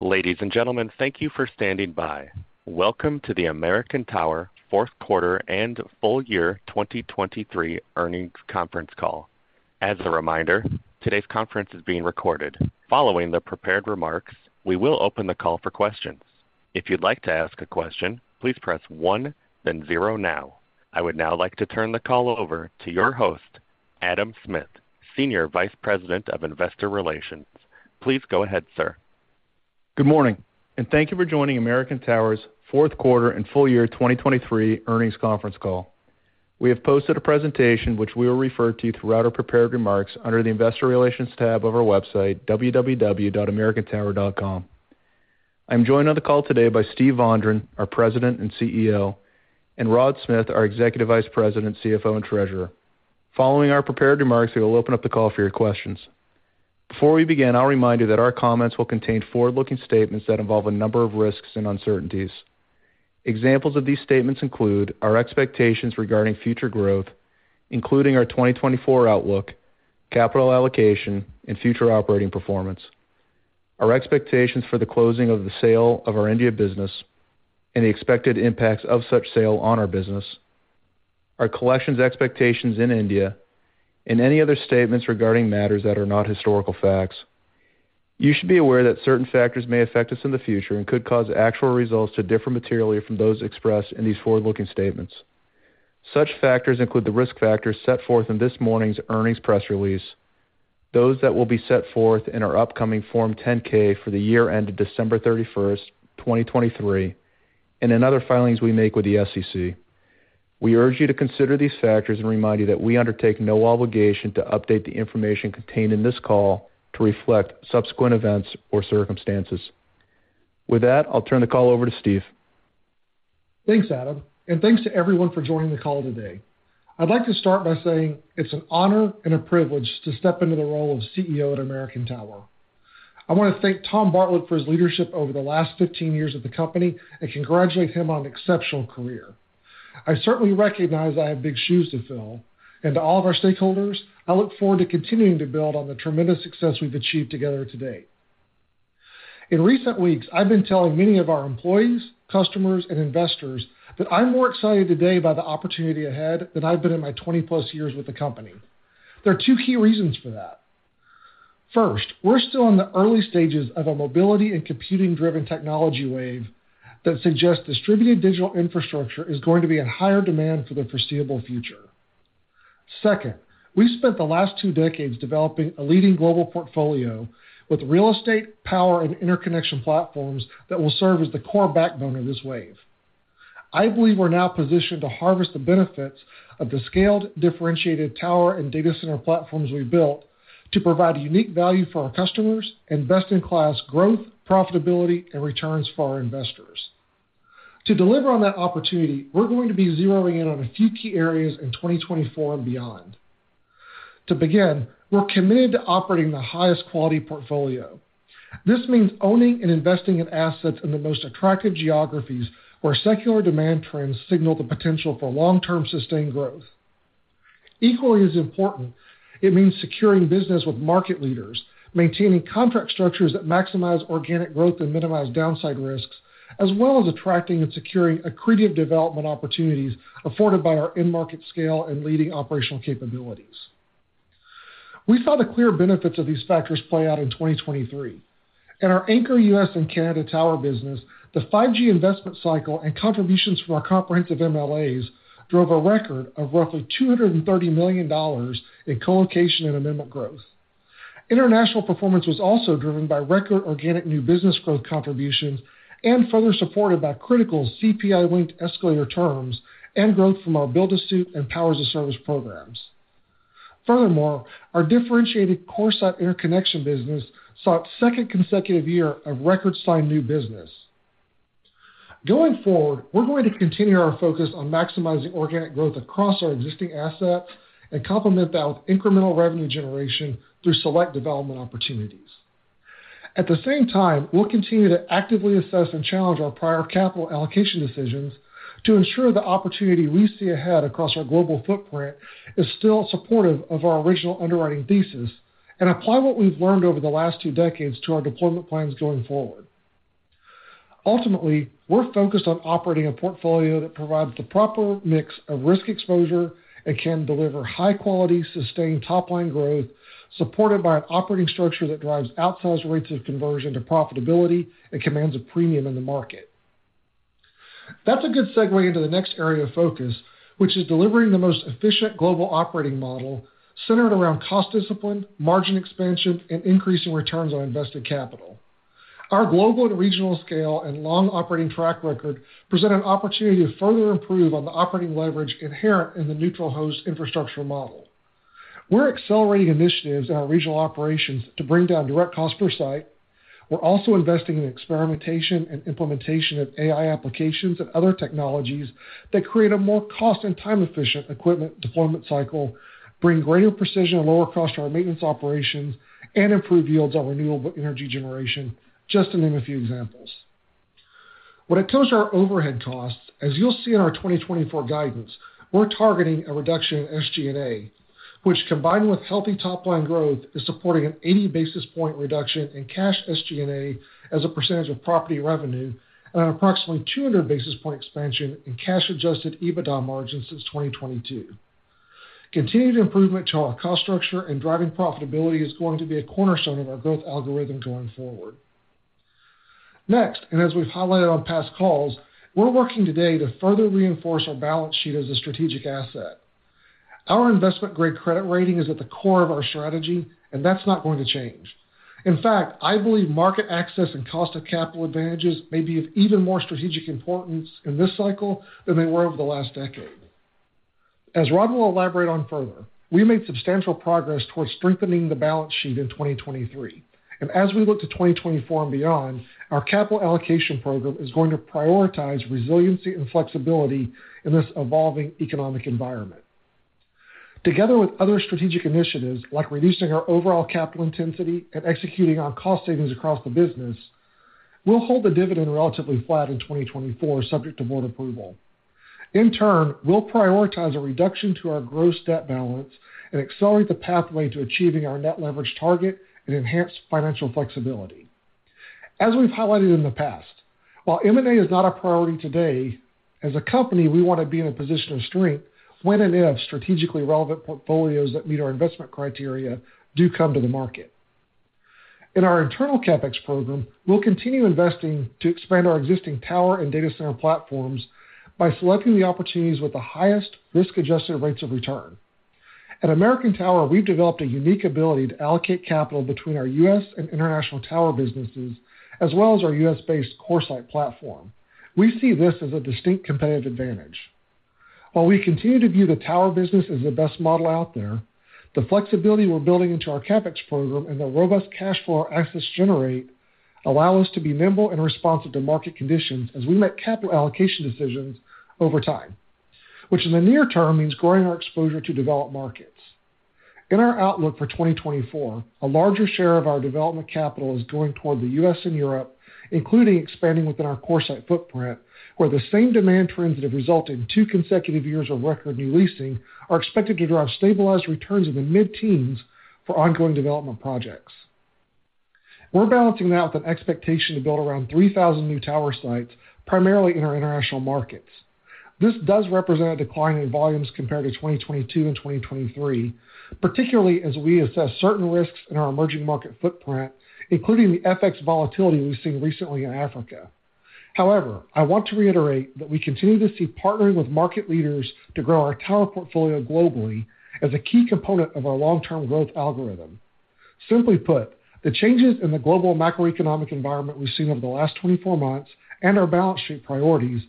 Ladies and gentlemen, thank you for standing by. Welcome to the American Tower Fourth Quarter and Full Year 2023 Earnings Conference Call. As a reminder, today's conference is being recorded. Following the prepared remarks, we will open the call for questions. If you'd like to ask a question, please press one, then zero now. I would now like to turn the call over to your host, Adam Smith, Senior Vice President of Investor Relations. Please go ahead, sir. Good morning, and thank you for joining American Tower's fourth quarter and full year 2023 earnings conference call. We have posted a presentation, which we will refer to throughout our prepared remarks under the Investor Relations tab of our website, www.americantower.com. I'm joined on the call today by Steve Vondran, our President and CEO, and Rod Smith, our Executive Vice President, CFO, and Treasurer. Following our prepared remarks, we will open up the call for your questions. Before we begin, I'll remind you that our comments will contain forward-looking statements that involve a number of risks and uncertainties. Examples of these statements include our expectations regarding future growth, including our 2024 outlook, capital allocation, and future operating performance, our expectations for the closing of the sale of our India business and the expected impacts of such sale on our business, our collections expectations in India, and any other statements regarding matters that are not historical facts. You should be aware that certain factors may affect us in the future and could cause actual results to differ materially from those expressed in these forward-looking statements. Such factors include the risk factors set forth in this morning's earnings press release, those that will be set forth in our upcoming Form 10-K for the year ended December 31, 2023, and in other filings we make with the SEC. We urge you to consider these factors and remind you that we undertake no obligation to update the information contained in this call to reflect subsequent events or circumstances. With that, I'll turn the call over to Steve. Thanks, Adam, and thanks to everyone for joining the call today. I'd like to start by saying it's an honor and a privilege to step into the role of CEO at American Tower. I wanna thank Tom Bartlett for his leadership over the last 15 years at the company and congratulate him on an exceptional career. I certainly recognize I have big shoes to fill, and to all of our stakeholders, I look forward to continuing to build on the tremendous success we've achieved together to date. In recent weeks, I've been telling many of our employees, customers, and investors that I'm more excited today by the opportunity ahead than I've been in my 20+ years with the company. There are two key reasons for that. First, we're still in the early stages of a mobility and computing-driven technology wave that suggests distributed digital infrastructure is going to be in higher demand for the foreseeable future. Second, we've spent the last two decades developing a leading global portfolio with real estate, power, and interconnection platforms that will serve as the core backbone of this wave. I believe we're now positioned to harvest the benefits of the scaled, differentiated tower and data center platforms we've built to provide a unique value for our customers and best-in-class growth, profitability, and returns for our investors. To deliver on that opportunity, we're going to be zeroing in on a few key areas in 2024 and beyond. To begin, we're committed to operating the highest quality portfolio. This means owning and investing in assets in the most attractive geographies, where secular demand trends signal the potential for long-term, sustained growth. Equally as important, it means securing business with market leaders, maintaining contract structures that maximize organic growth and minimize downside risks, as well as attracting and securing accretive development opportunities afforded by our end-market scale and leading operational capabilities. We saw the clear benefits of these factors play out in 2023. In our anchor U.S. and Canada tower business, the 5G investment cycle and contributions from our comprehensive MLAs drove a record of roughly $230 million in colocation and amendment growth. International performance was also driven by record organic new business growth contributions and further supported by critical CPI-linked escalator terms and growth from our build-to-suit and power as a service programs. Furthermore, our differentiated CoreSite interconnection business saw its second consecutive year of record signed new business. Going forward, we're going to continue our focus on maximizing organic growth across our existing assets and complement that with incremental revenue generation through select development opportunities. At the same time, we'll continue to actively assess and challenge our prior capital allocation decisions to ensure the opportunity we see ahead across our global footprint is still supportive of our original underwriting thesis and apply what we've learned over the last two decades to our deployment plans going forward. Ultimately, we're focused on operating a portfolio that provides the proper mix of risk exposure and can deliver high-quality, sustained top-line growth, supported by an operating structure that drives outsized rates of conversion to profitability and commands a premium in the market. That's a good segue into the next area of focus, which is delivering the most efficient global operating model centered around cost discipline, margin expansion, and increasing returns on invested capital. Our global and regional scale and long operating track record present an opportunity to further improve on the operating leverage inherent in the neutral host infrastructure model. We're accelerating initiatives in our regional operations to bring down direct cost per site. We're also investing in experimentation and implementation of AI applications and other technologies that create a more cost and time-efficient equipment deployment cycle, bring greater precision and lower cost to our maintenance operations, and improve yields on renewable energy generation, just to name a few examples... When it comes to our overhead costs, as you'll see in our 2024 guidance, we're targeting a reduction in SG&A, which, combined with healthy top-line growth, is supporting an 80 basis point reduction in cash SG&A as a percentage of property revenue and an approximately 200 basis point expansion in cash-adjusted EBITDA margins since 2022. Continued improvement to our cost structure and driving profitability is going to be a cornerstone of our growth algorithm going forward. Next, and as we've highlighted on past calls, we're working today to further reinforce our balance sheet as a strategic asset. Our investment-grade credit rating is at the core of our strategy, and that's not going to change. In fact, I believe market access and cost of capital advantages may be of even more strategic importance in this cycle than they were over the last decade. As Rod will elaborate on further, we made substantial progress towards strengthening the balance sheet in 2023, and as we look to 2024 and beyond, our capital allocation program is going to prioritize resiliency and flexibility in this evolving economic environment. Together with other strategic initiatives, like reducing our overall capital intensity and executing on cost savings across the business, we'll hold the dividend relatively flat in 2024, subject to board approval. In turn, we'll prioritize a reduction to our gross debt balance and accelerate the pathway to achieving our net leverage target and enhance financial flexibility. As we've highlighted in the past, while M&A is not a priority today, as a company, we want to be in a position of strength when and if strategically relevant portfolios that meet our investment criteria do come to the market. In our internal CapEx program, we'll continue investing to expand our existing tower and data center platforms by selecting the opportunities with the highest risk-adjusted rates of return. At American Tower, we've developed a unique ability to allocate capital between our U.S. and international tower businesses, as well as our U.S.-based CoreSite platform. We see this as a distinct competitive advantage. While we continue to view the tower business as the best model out there, the flexibility we're building into our CapEx program and the robust cash flow our assets generate allow us to be nimble and responsive to market conditions as we make capital allocation decisions over time, which in the near term means growing our exposure to developed markets. In our outlook for 2024, a larger share of our development capital is going toward the U.S. and Europe, including expanding within our CoreSite footprint, where the same demand trends that have resulted in two consecutive years of record new leasing are expected to drive stabilized returns in the mid-teens for ongoing development projects. We're balancing that with an expectation to build around 3,000 new tower sites, primarily in our international markets. This does represent a decline in volumes compared to 2022 and 2023, particularly as we assess certain risks in our emerging market footprint, including the FX volatility we've seen recently in Africa. However, I want to reiterate that we continue to see partnering with market leaders to grow our tower portfolio globally as a key component of our long-term growth algorithm. Simply put, the changes in the global macroeconomic environment we've seen over the last 24 months and our balance sheet priorities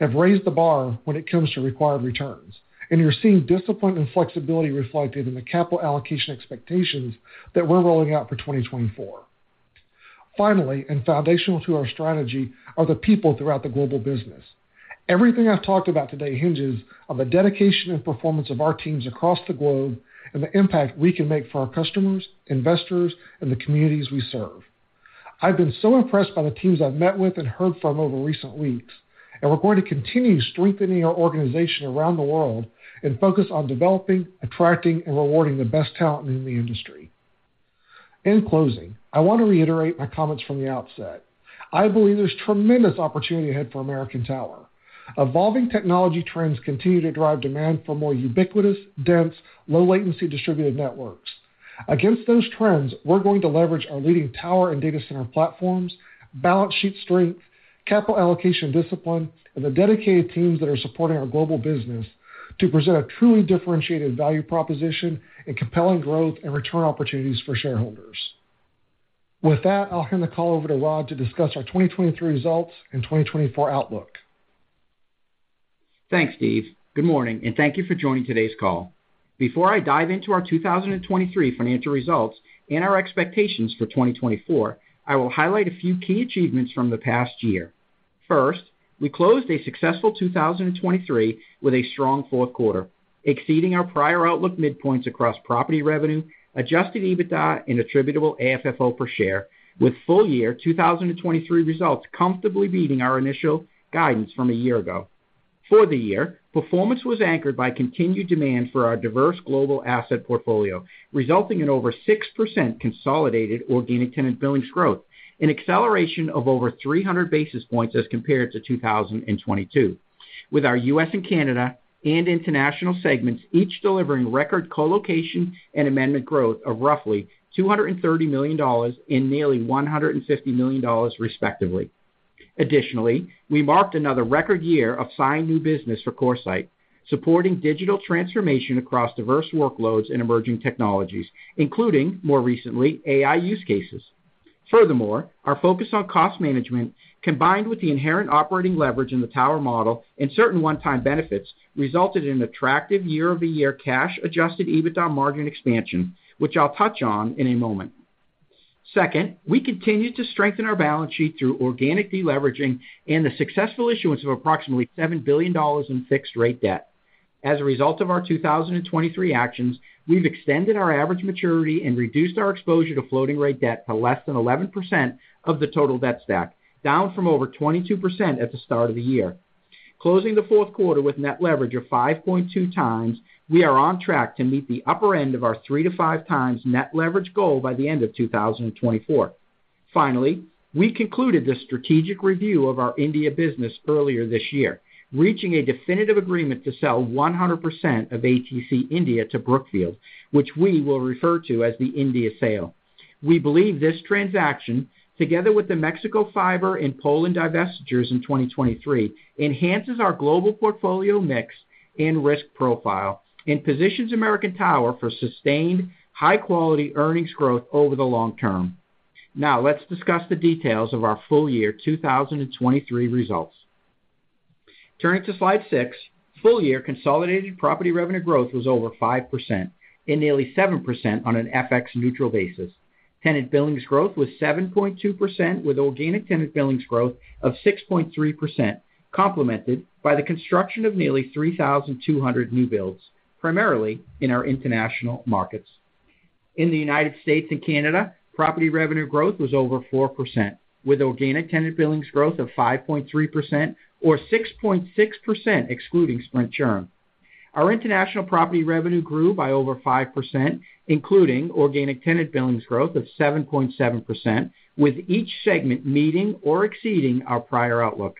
have raised the bar when it comes to required returns, and you're seeing discipline and flexibility reflected in the capital allocation expectations that we're rolling out for 2024. Finally, and foundational to our strategy, are the people throughout the global business. Everything I've talked about today hinges on the dedication and performance of our teams across the globe and the impact we can make for our customers, investors, and the communities we serve. I've been so impressed by the teams I've met with and heard from over recent weeks, and we're going to continue strengthening our organization around the world and focus on developing, attracting, and rewarding the best talent in the industry. In closing, I want to reiterate my comments from the outset. I believe there's tremendous opportunity ahead for American Tower. Evolving technology trends continue to drive demand for more ubiquitous, dense, low-latency distributed networks. Against those trends, we're going to leverage our leading tower and data center platforms, balance sheet strength, capital allocation discipline, and the dedicated teams that are supporting our global business to present a truly differentiated value proposition and compelling growth and return opportunities for shareholders. With that, I'll hand the call over to Rod to discuss our 2023 results and 2024 outlook. Thanks, Steve. Good morning, and thank you for joining today's call. Before I dive into our 2023 financial results and our expectations for 2024, I will highlight a few key achievements from the past year. First, we closed a successful 2023 with a strong fourth quarter, exceeding our prior outlook midpoints across property revenue, adjusted EBITDA, and attributable AFFO per share, with full year 2023 results comfortably beating our initial guidance from a year ago. For the year, performance was anchored by continued demand for our diverse global asset portfolio, resulting in over 6% consolidated organic tenant billings growth, an acceleration of over 300 basis points as compared to 2022. With our US and Canada and international segments each delivering record colocation and amendment growth of roughly $230 million and nearly $150 million, respectively. Additionally, we marked another record year of signed new business for CoreSite, supporting digital transformation across diverse workloads and emerging technologies, including, more recently, AI use cases. Furthermore, our focus on cost management, combined with the inherent operating leverage in the tower model and certain one-time benefits, resulted in an attractive year-over-year cash adjusted EBITDA margin expansion, which I'll touch on in a moment. Second, we continued to strengthen our balance sheet through organic deleveraging and the successful issuance of approximately $7 billion in fixed rate debt. As a result of our 2023 actions, we've extended our average maturity and reduced our exposure to floating rate debt to less than 11% of the total debt stack, down from over 22% at the start of the year. Closing the fourth quarter with net leverage of 5.2 times, we are on track to meet the upper end of our 3-5 times net leverage goal by the end of 2024. Finally, we concluded the strategic review of our India business earlier this year, reaching a definitive agreement to sell 100% of ATC India to Brookfield, which we will refer to as the India sale. We believe this transaction, together with the Mexico fiber and Poland divestitures in 2023, enhances our global portfolio mix and risk profile, and positions American Tower for sustained, high-quality earnings growth over the long term. Now, let's discuss the details of our full year 2023 results. Turning to Slide 6, full year consolidated property revenue growth was over 5%, and nearly 7% on an FX-neutral basis. Tenant billings growth was 7.2%, with organic tenant billings growth of 6.3%, complemented by the construction of nearly 3,200 new builds, primarily in our international markets. In the United States and Canada, property revenue growth was over 4%, with organic tenant billings growth of 5.3% or 6.6% excluding Sprint churn. Our international property revenue grew by over 5%, including organic tenant billings growth of 7.7%, with each segment meeting or exceeding our prior outlook.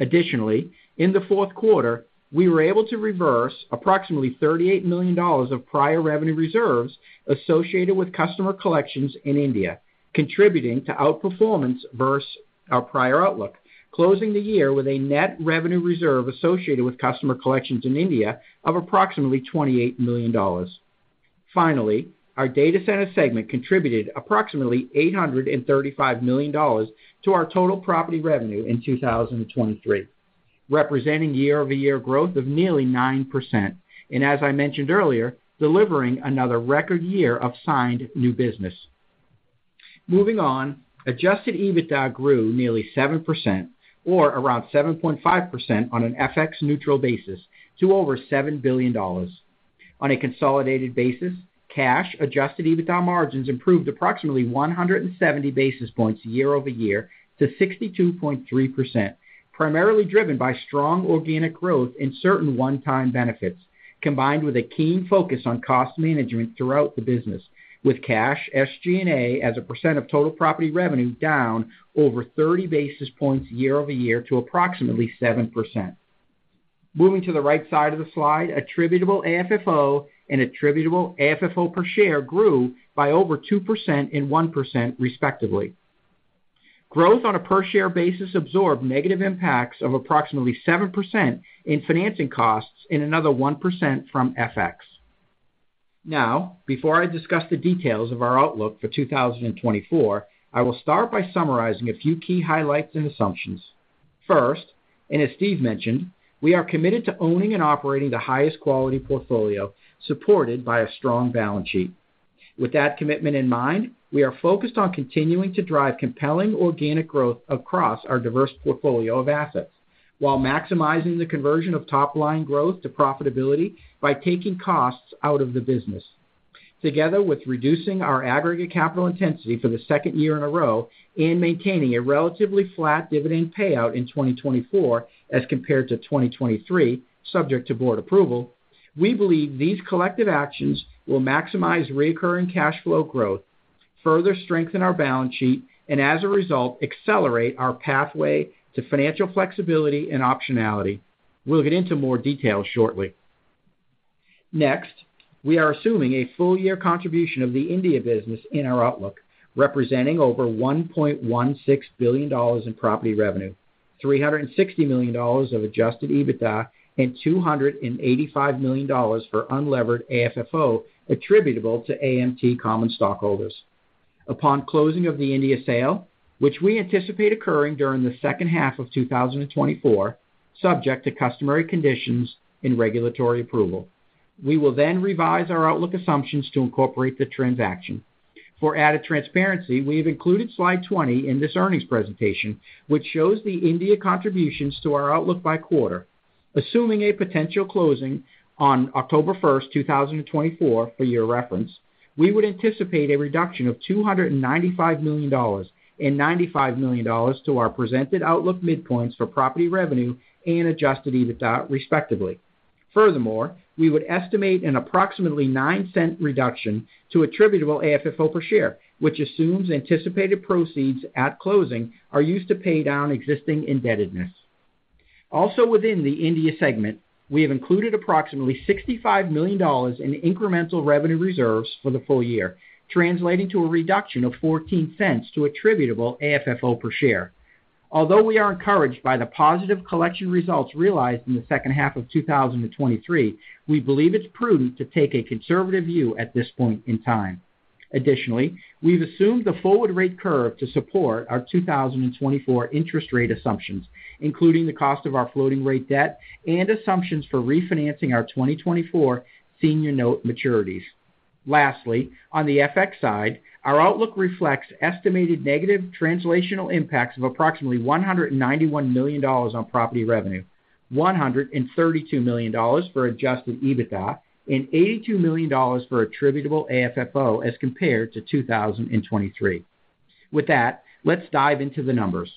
Additionally, in the fourth quarter, we were able to reverse approximately $38 million of prior revenue reserves associated with customer collections in India, contributing to outperformance versus our prior outlook, closing the year with a net revenue reserve associated with customer collections in India of approximately $28 million. Finally, our data center segment contributed approximately $835 million to our total property revenue in 2023, representing year-over-year growth of nearly 9%, and as I mentioned earlier, delivering another record year of signed new business. Moving on, Adjusted EBITDA grew nearly 7% or around 7.5% on an FX neutral basis to over $7 billion. On a consolidated basis, cash-adjusted EBITDA margins improved approximately 170 basis points year-over-year to 62.3%, primarily driven by strong organic growth and certain one-time benefits, combined with a keen focus on cost management throughout the business, with cash SG&A as a percent of total property revenue down over 30 basis points year-over-year to approximately 7%. Moving to the right side of the slide, attributable AFFO and attributable AFFO per share grew by over 2% and 1%, respectively. Growth on a per-share basis absorbed negative impacts of approximately 7% in financing costs and another 1% from FX. Now, before I discuss the details of our outlook for 2024, I will start by summarizing a few key highlights and assumptions. First, and as Steve mentioned, we are committed to owning and operating the highest quality portfolio supported by a strong balance sheet. With that commitment in mind, we are focused on continuing to drive compelling organic growth across our diverse portfolio of assets, while maximizing the conversion of top-line growth to profitability by taking costs out of the business. Together with reducing our aggregate capital intensity for the second year in a row and maintaining a relatively flat dividend payout in 2024 as compared to 2023, subject to board approval, we believe these collective actions will maximize recurring cash flow growth, further strengthen our balance sheet, and as a result, accelerate our pathway to financial flexibility and optionality. We'll get into more detail shortly. Next, we are assuming a full year contribution of the India business in our outlook, representing over $1.16 billion in property revenue, $360 million of adjusted EBITDA, and $285 million for unlevered AFFO attributable to AMT common stockholders. Upon closing of the India sale, which we anticipate occurring during the second half of 2024, subject to customary conditions and regulatory approval, we will then revise our outlook assumptions to incorporate the transaction. For added transparency, we have included Slide 20 in this earnings presentation, which shows the India contributions to our outlook by quarter. Assuming a potential closing on October 1, 2024, for your reference, we would anticipate a reduction of $295 million and $95 million to our presented outlook midpoints for property revenue and adjusted EBITDA, respectively. Furthermore, we would estimate an approximately $0.09 reduction to attributable AFFO per share, which assumes anticipated proceeds at closing are used to pay down existing indebtedness. Also within the India segment, we have included approximately $65 million in incremental revenue reserves for the full year, translating to a reduction of $0.14 to attributable AFFO per share. Although we are encouraged by the positive collection results realized in the second half of 2023, we believe it's prudent to take a conservative view at this point in time. Additionally, we've assumed the forward rate curve to support our 2024 interest rate assumptions, including the cost of our floating rate debt and assumptions for refinancing our 2024 senior note maturities. Lastly, on the FX side, our outlook reflects estimated negative translational impacts of approximately $191 million on property revenue, $132 million for adjusted EBITDA, and $82 million for attributable AFFO as compared to 2023. With that, let's dive into the numbers.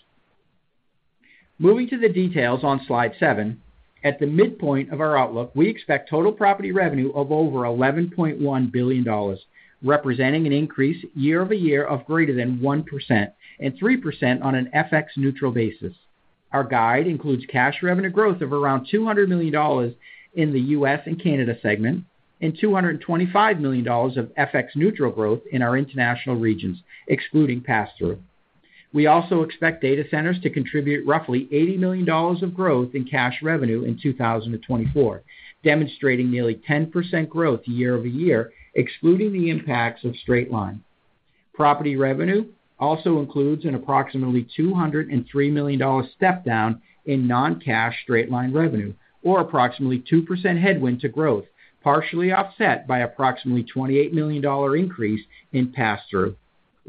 Moving to the details on Slide 7, at the midpoint of our outlook, we expect total property revenue of over $11.1 billion, representing an increase year-over-year of greater than 1% and 3% on an FX neutral basis. Our guide includes cash revenue growth of around $200 million in the U.S. and Canada segment, and $225 million of FX neutral growth in our international regions, excluding pass-through. We also expect data centers to contribute roughly $80 million of growth in cash revenue in 2024, demonstrating nearly 10% growth year-over-year, excluding the impacts of straight-line. Property revenue also includes an approximately $203 million step down in non-cash straight-line revenue, or approximately 2% headwind to growth, partially offset by approximately $28 million increase in pass-through.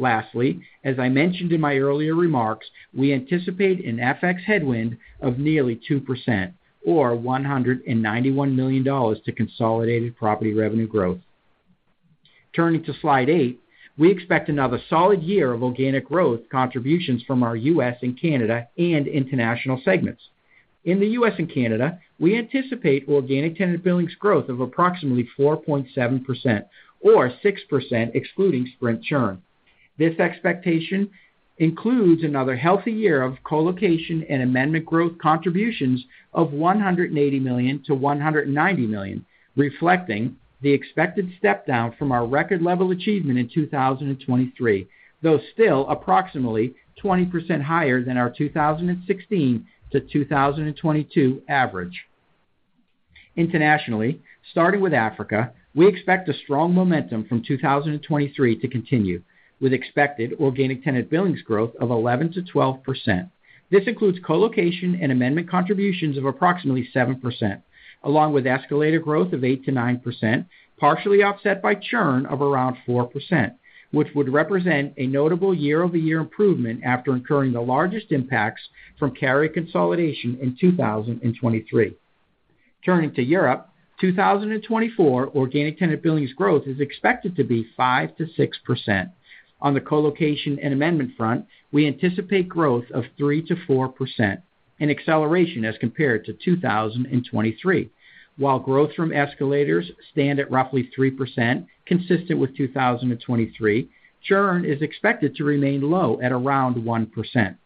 Lastly, as I mentioned in my earlier remarks, we anticipate an FX headwind of nearly 2% or $191 million to consolidated property revenue growth. Turning to Slide 8, we expect another solid year of organic growth contributions from our U.S. and Canada and international segments. In the U.S. and Canada, we anticipate organic tenant billings growth of approximately 4.7% or 6%, excluding Sprint churn. This expectation includes another healthy year of colocation and amendment growth contributions of $180 million-$190 million, reflecting the expected step down from our record level achievement in 2023, though still approximately 20% higher than our 2016-2022 average. Internationally, starting with Africa, we expect a strong momentum from 2023 to continue, with expected organic tenant billings growth of 11%-12%. This includes colocation and amendment contributions of approximately 7%, along with escalator growth of 8%-9%, partially offset by churn of around 4%, which would represent a notable year-over-year improvement after incurring the largest impacts from carrier consolidation in 2023. Turning to Europe, 2024, organic tenant billings growth is expected to be 5%-6%. On the colocation and amendment front, we anticipate growth of 3%-4%, an acceleration as compared to 2023. While growth from escalators stand at roughly 3%, consistent with 2023, churn is expected to remain low at around 1%.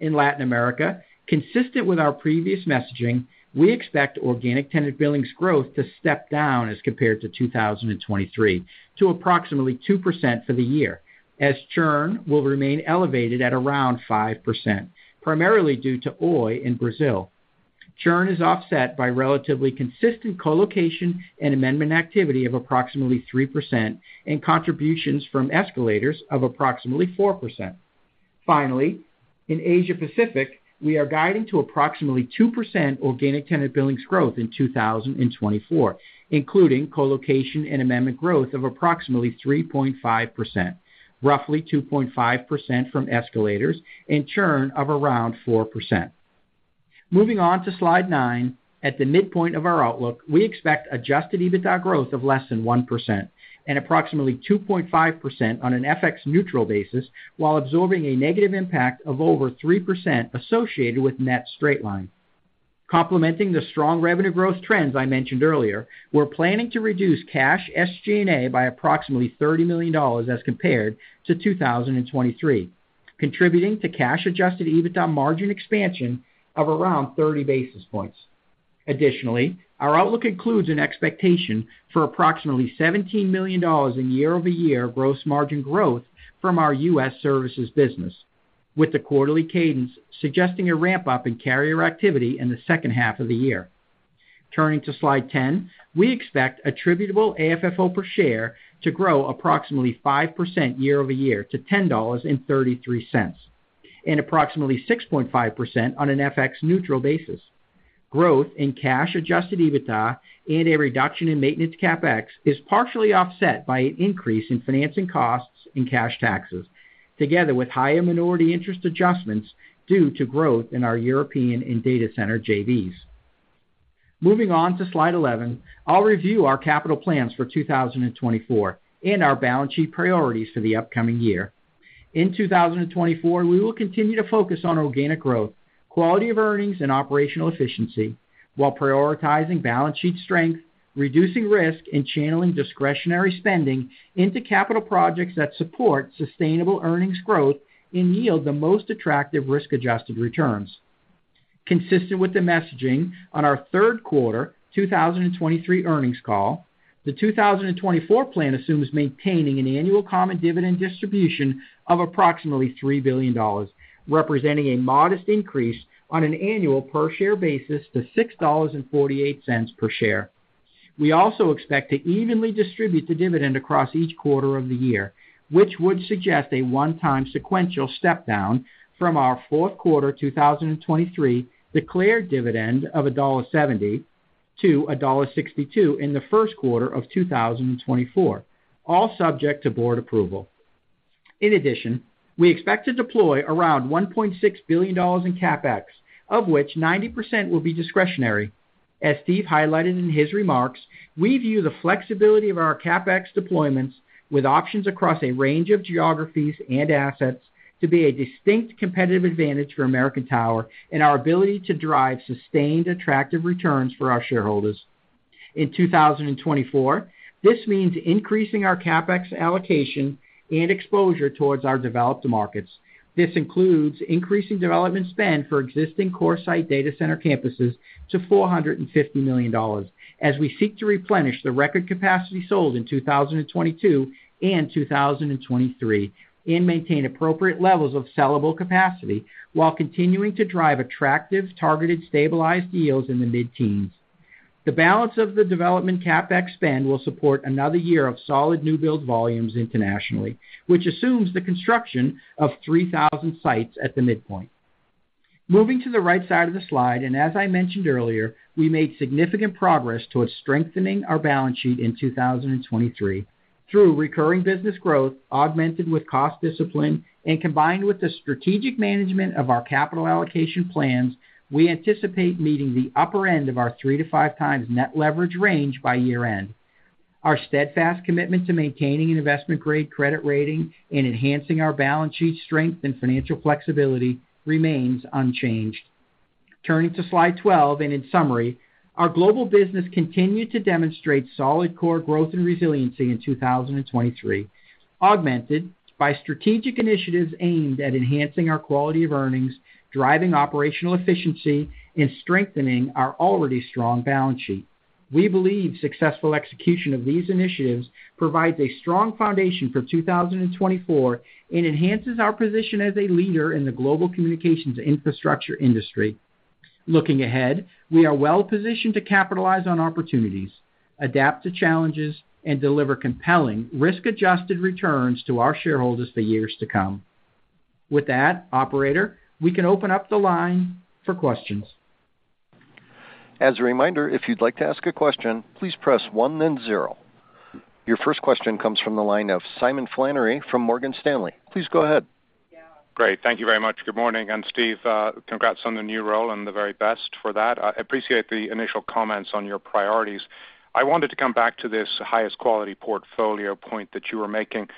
In Latin America, consistent with our previous messaging, we expect organic tenant billings growth to step down as compared to 2023, to approximately 2% for the year, as churn will remain elevated at around 5%, primarily due to Oi in Brazil. Churn is offset by relatively consistent colocation and amendment activity of approximately 3% and contributions from escalators of approximately 4%. Finally, in Asia Pacific, we are guiding to approximately 2% organic tenant billings growth in 2024, including colocation and amendment growth of approximately 3.5%, roughly 2.5% from escalators, and churn of around 4%. Moving on to Slide 9, at the midpoint of our outlook, we expect adjusted EBITDA growth of less than 1% and approximately 2.5% on an FX neutral basis, while absorbing a negative impact of over 3% associated with net straight line. Complementing the strong revenue growth trends I mentioned earlier, we're planning to reduce cash SG&A by approximately $30 million as compared to 2023, contributing to cash-adjusted EBITDA margin expansion of around 30 basis points. Additionally, our outlook includes an expectation for approximately $17 million in year-over-year gross margin growth from our U.S. services business, with the quarterly cadence suggesting a ramp-up in carrier activity in the second half of the year. Turning to Slide 10, we expect attributable AFFO per share to grow approximately 5% year-over-year to $10.33, and approximately 6.5% on an FX neutral basis. Growth in cash-adjusted EBITDA and a reduction in maintenance CapEx is partially offset by an increase in financing costs and cash taxes, together with higher minority interest adjustments due to growth in our European and data center JVs. Moving on to Slide 11, I'll review our capital plans for 2024 and our balance sheet priorities for the upcoming year. In 2024, we will continue to focus on organic growth, quality of earnings, and operational efficiency while prioritizing balance sheet strength, reducing risk, and channeling discretionary spending into capital projects that support sustainable earnings growth and yield the most attractive risk-adjusted returns. Consistent with the messaging on our third quarter 2023 earnings call, the 2024 plan assumes maintaining an annual common dividend distribution of approximately $3 billion, representing a modest increase on an annual per share basis to $6.48 per share. We also expect to evenly distribute the dividend across each quarter of the year, which would suggest a one-time sequential step down from our fourth quarter 2023 declared dividend of $1.70-$1.62 in the first quarter of 2024, all subject to board approval. In addition, we expect to deploy around $1.6 billion in CapEx, of which 90% will be discretionary. As Steve highlighted in his remarks, we view the flexibility of our CapEx deployments with options across a range of geographies and assets to be a distinct competitive advantage for American Tower and our ability to drive sustained, attractive returns for our shareholders. In 2024, this means increasing our CapEx allocation and exposure towards our developed markets. This includes increasing development spend for existing CoreSite data center campuses to $450 million, as we seek to replenish the record capacity sold in 2022 and 2023, and maintain appropriate levels of sellable capacity while continuing to drive attractive, targeted, stabilized yields in the mid-teens. The balance of the development CapEx spend will support another year of solid new build volumes internationally, which assumes the construction of 3,000 sites at the midpoint. Moving to the right side of the slide, and as I mentioned earlier, we made significant progress towards strengthening our balance sheet in 2023. Through recurring business growth, augmented with cost discipline, and combined with the strategic management of our capital allocation plans, we anticipate meeting the upper end of our 3-5 times net leverage range by year-end. Our steadfast commitment to maintaining an investment-grade credit rating and enhancing our balance sheet strength and financial flexibility remains unchanged. Turning to slide 12, and in summary, our global business continued to demonstrate solid core growth and resiliency in 2023, augmented by strategic initiatives aimed at enhancing our quality of earnings, driving operational efficiency, and strengthening our already strong balance sheet. We believe successful execution of these initiatives provides a strong foundation for 2024 and enhances our position as a leader in the global communications infrastructure industry. Looking ahead, we are well positioned to capitalize on opportunities, adapt to challenges, and deliver compelling risk-adjusted returns to our shareholders for years to come. With that, operator, we can open up the line for questions. As a reminder, if you'd like to ask a question, please press one, then zero. Your first question comes from the line of Simon Flannery from Morgan Stanley. Please go ahead. Great. Thank you very much. Good morning, and Steve, congrats on the new role and the very best for that. I appreciate the initial comments on your priorities. I wanted to come back to this highest quality portfolio point that you were making.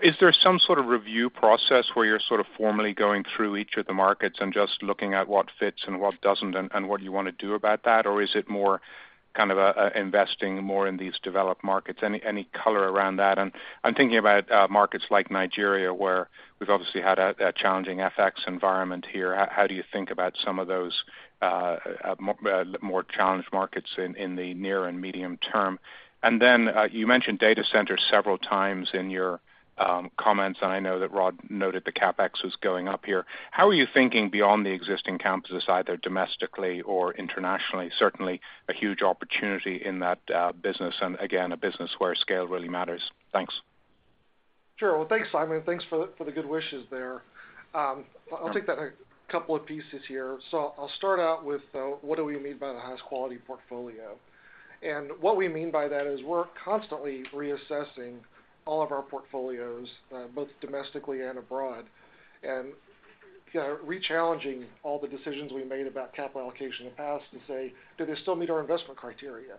Is there some sort of review process where you're sort of formally going through each of the markets and just looking at what fits and what doesn't, and what you want to do about that? Or is it more kind of investing more in these developed markets? Any color around that? And I'm thinking about markets like Nigeria, where we've obviously had a challenging FX environment here. How do you think about some of those more challenged markets in the near and medium term? And then, you mentioned data centers several times in your comments, and I know that Rod noted the CapEx was going up here. How are you thinking beyond the existing campuses, either domestically or internationally? Certainly a huge opportunity in that business, and again, a business where scale really matters. Thanks. Sure. Well, thanks, Simon. Thanks for the good wishes there. I'll take that a couple of pieces here. So I'll start out with what do we mean by the highest quality portfolio? And what we mean by that is we're constantly reassessing all of our portfolios, both domestically and abroad, and rechallenging all the decisions we made about capital allocation in the past and say, do they still meet our investment criteria?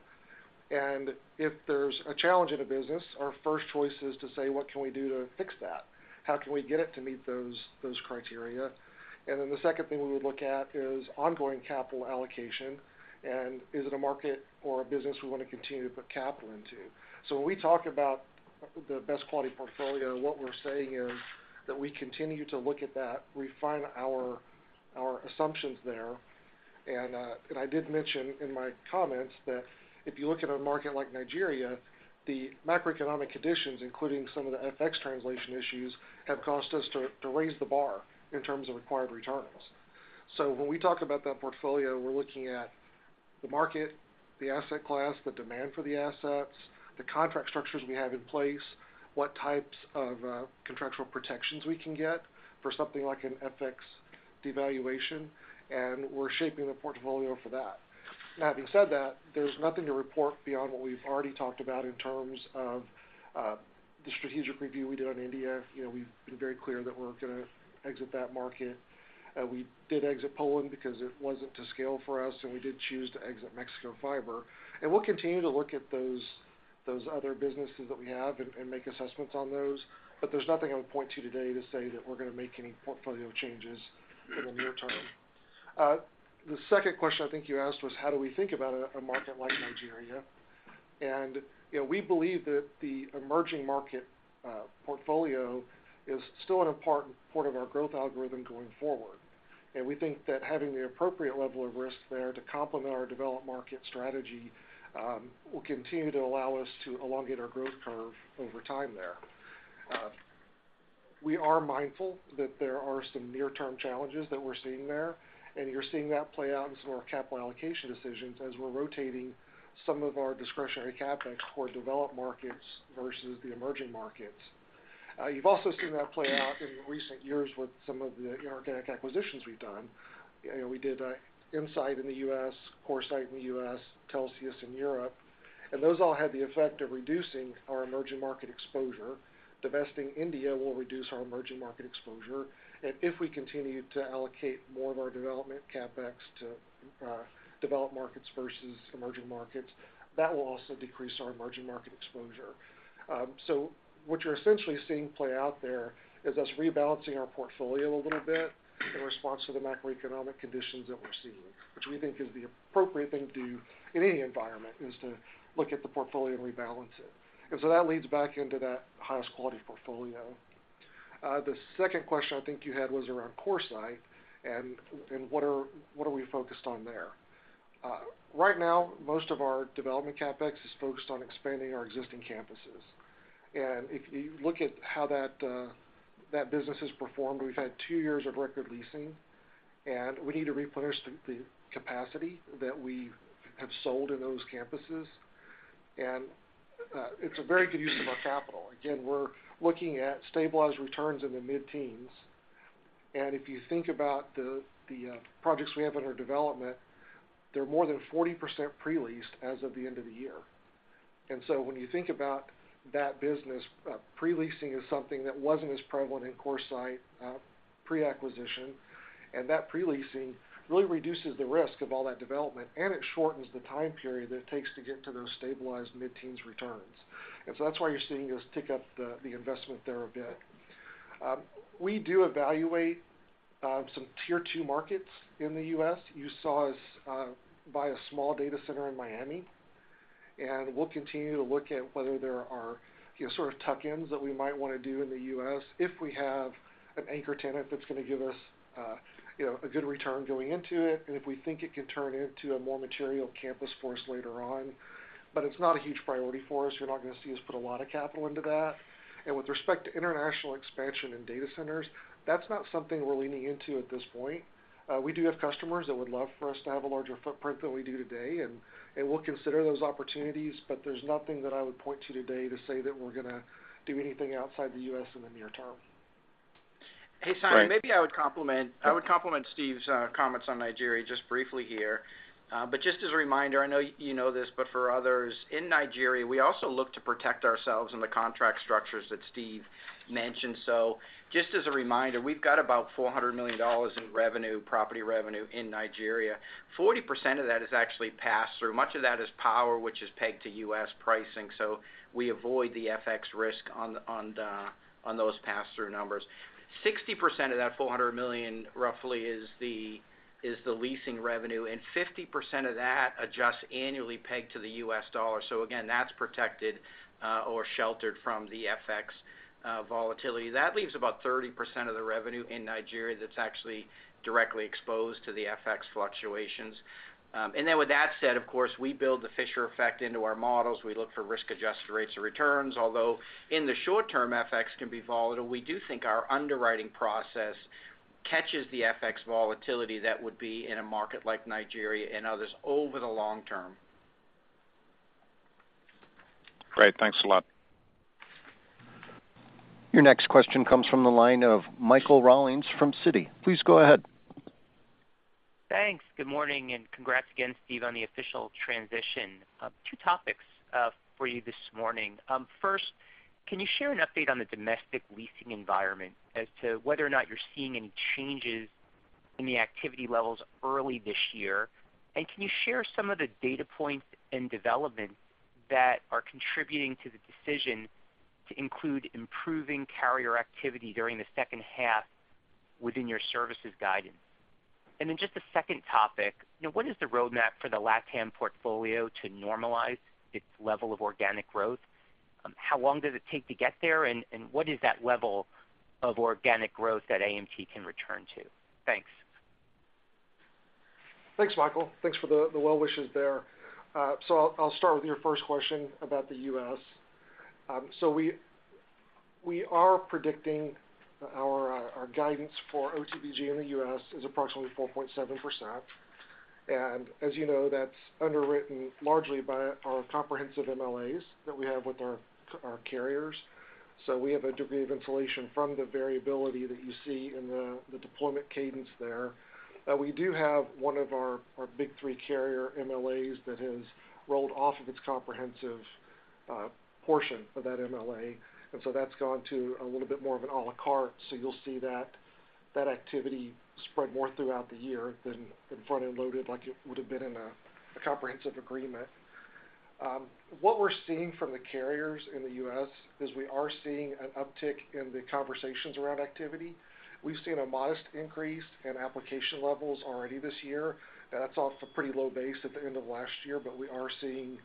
And if there's a challenge in a business, our first choice is to say, what can we do to fix that? How can we get it to meet those criteria? And then the second thing we would look at is ongoing capital allocation, and is it a market or a business we wanna continue to put capital into? So when we talk about the best quality portfolio, what we're saying is that we continue to look at that, refine our, our assumptions there. And, and I did mention in my comments that if you look at a market like Nigeria, the macroeconomic conditions, including some of the FX translation issues, have caused us to, to raise the bar in terms of required returns. So when we talk about that portfolio, we're looking at the market, the asset class, the demand for the assets, the contract structures we have in place, what types of, contractual protections we can get for something like an FX devaluation, and we're shaping the portfolio for that. Now, having said that, there's nothing to report beyond what we've already talked about in terms of, the strategic review we did on India. You know, we've been very clear that we're gonna exit that market. We did exit Poland because it wasn't to scale for us, and we did choose to exit Mexico fiber. We'll continue to look at those other businesses that we have and make assessments on those, but there's nothing I would point to today to say that we're gonna make any portfolio changes in the near term. The second question I think you asked was, how do we think about a market like Nigeria? You know, we believe that the emerging market portfolio is still an important part of our growth algorithm going forward, and we think that having the appropriate level of risk there to complement our developed market strategy will continue to allow us to elongate our growth curve over time there. We are mindful that there are some near-term challenges that we're seeing there, and you're seeing that play out in some of our capital allocation decisions as we're rotating some of our discretionary CapEx toward developed markets versus the emerging markets. You've also seen that play out in recent years with some of the inorganic acquisitions we've done. You know, we did, uh, InSite in the U.S., CoreSite in the U.S., Telxius in Europe, and those all had the effect of reducing our emerging market exposure. Divesting India will reduce our emerging market exposure, and if we continue to allocate more of our development CapEx to, uh, developed markets versus emerging markets, that will also decrease our emerging market exposure. So what you're essentially seeing play out there is us rebalancing our portfolio a little bit in response to the macroeconomic conditions that we're seeing, which we think is the appropriate thing to do in any environment, is to look at the portfolio and rebalance it. And so that leads back into that highest quality portfolio. The second question I think you had was around CoreSite, and what are we focused on there? Right now, most of our development CapEx is focused on expanding our existing campuses. And if you look at how that business has performed, we've had two years of record leasing, and we need to replenish the capacity that we have sold in those campuses. And it's a very good use of our capital. Again, we're looking at stabilized returns in the mid-teens, and if you think about the projects we have under development, they're more than 40% pre-leased as of the end of the year. And so when you think about that business, pre-leasing is something that wasn't as prevalent in CoreSite pre-acquisition, and that pre-leasing really reduces the risk of all that development, and it shortens the time period that it takes to get to those stabilized mid-teens returns. And so that's why you're seeing us tick up the investment there a bit. We do evaluate some tier two markets in the U.S. You saw us buy a small data center in Miami, and we'll continue to look at whether there are, you know, sort of tuck-ins that we might want to do in the U.S. if we have an anchor tenant that's gonna give us, you know, a good return going into it, and if we think it can turn into a more material campus for us later on. But it's not a huge priority for us. You're not gonna see us put a lot of capital into that. And with respect to international expansion and data centers, that's not something we're leaning into at this point. We do have customers that would love for us to have a larger footprint than we do today, and we'll consider those opportunities, but there's nothing that I would point to today to say that we're gonna do anything outside the U.S. in the near term. Hey, Simon, maybe I would complement-- I would complement Steve's comments on Nigeria just briefly here. But just as a reminder, I know you know this, but for others, in Nigeria, we also look to protect ourselves in the contract structures that Steve mentioned. So just as a reminder, we've got about $400 million in revenue, property revenue in Nigeria. 40% of that is actually pass-through. Much of that is power, which is pegged to U.S. pricing, so we avoid the FX risk on those pass-through numbers. 60% of that $400 million, roughly, is the leasing revenue, and 50% of that adjusts annually pegged to the U.S. dollar. So again, that's protected or sheltered from the FX volatility. That leaves about 30% of the revenue in Nigeria that's actually directly exposed to the FX fluctuations. And then with that said, of course, we build the Fisher effect into our models. We look for risk-adjusted rates of returns, although in the short term, FX can be volatile. We do think our underwriting process catches the FX volatility that would be in a market like Nigeria and others over the long term. Great. Thanks a lot. Your next question comes from the line of Michael Rollins from Citi. Please go ahead. Thanks. Good morning, and congrats again, Steve, on the official transition. Two topics for you this morning. First, can you share an update on the domestic leasing environment as to whether or not you're seeing any changes in the activity levels early this year? And can you share some of the data points and developments that are contributing to the decision to include improving carrier activity during the second half within your services guidance? And then just a second topic, you know, what is the roadmap for the LatAm portfolio to normalize its level of organic growth? How long does it take to get there, and what is that level of organic growth that AMT can return to? Thanks. Thanks, Michael. Thanks for the well wishes there. So I'll start with your first question about the U.S. So we are predicting our guidance for OTBG in the U.S. is approximately 4.7%, and as you know, that's underwritten largely by our comprehensive MLAs that we have with our carriers. So we have a degree of insulation from the variability that you see in the deployment cadence there. We do have one of our big three carrier MLAs that has rolled off of its comprehensive portion of that MLA, and so that's gone to a little bit more of an à la carte, so you'll see that activity spread more throughout the year than front-end loaded, like it would have been in a comprehensive agreement. What we're seeing from the carriers in the U.S. is we are seeing an uptick in the conversations around activity. We've seen a modest increase in application levels already this year. That's off a pretty low base at the end of last year, but we are seeing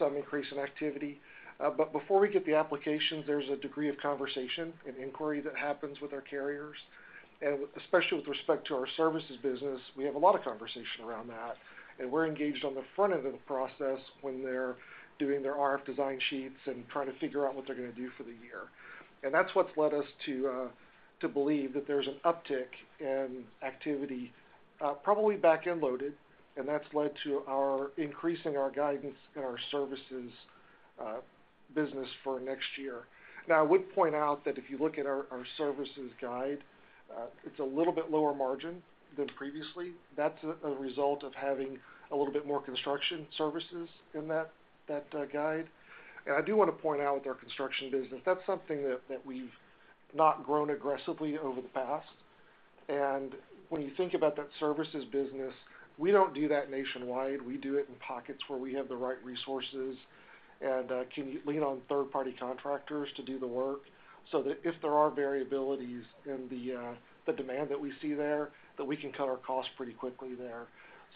some increase in activity. But before we get the applications, there's a degree of conversation and inquiry that happens with our carriers, and especially with respect to our services business, we have a lot of conversation around that, and we're engaged on the front end of the process when they're doing their RF design sheets and trying to figure out what they're gonna do for the year. And that's what's led us to believe that there's an uptick in activity, probably back-end loaded, and that's led to our increasing our guidance in our services... business for next year. Now, I would point out that if you look at our services guide, it's a little bit lower margin than previously. That's a result of having a little bit more construction services in that guide. And I do wanna point out with our construction business, that's something that we've not grown aggressively over the past. And when you think about that services business, we don't do that nationwide. We do it in pockets where we have the right resources and can lean on third-party contractors to do the work, so that if there are variabilities in the demand that we see there, that we can cut our costs pretty quickly there.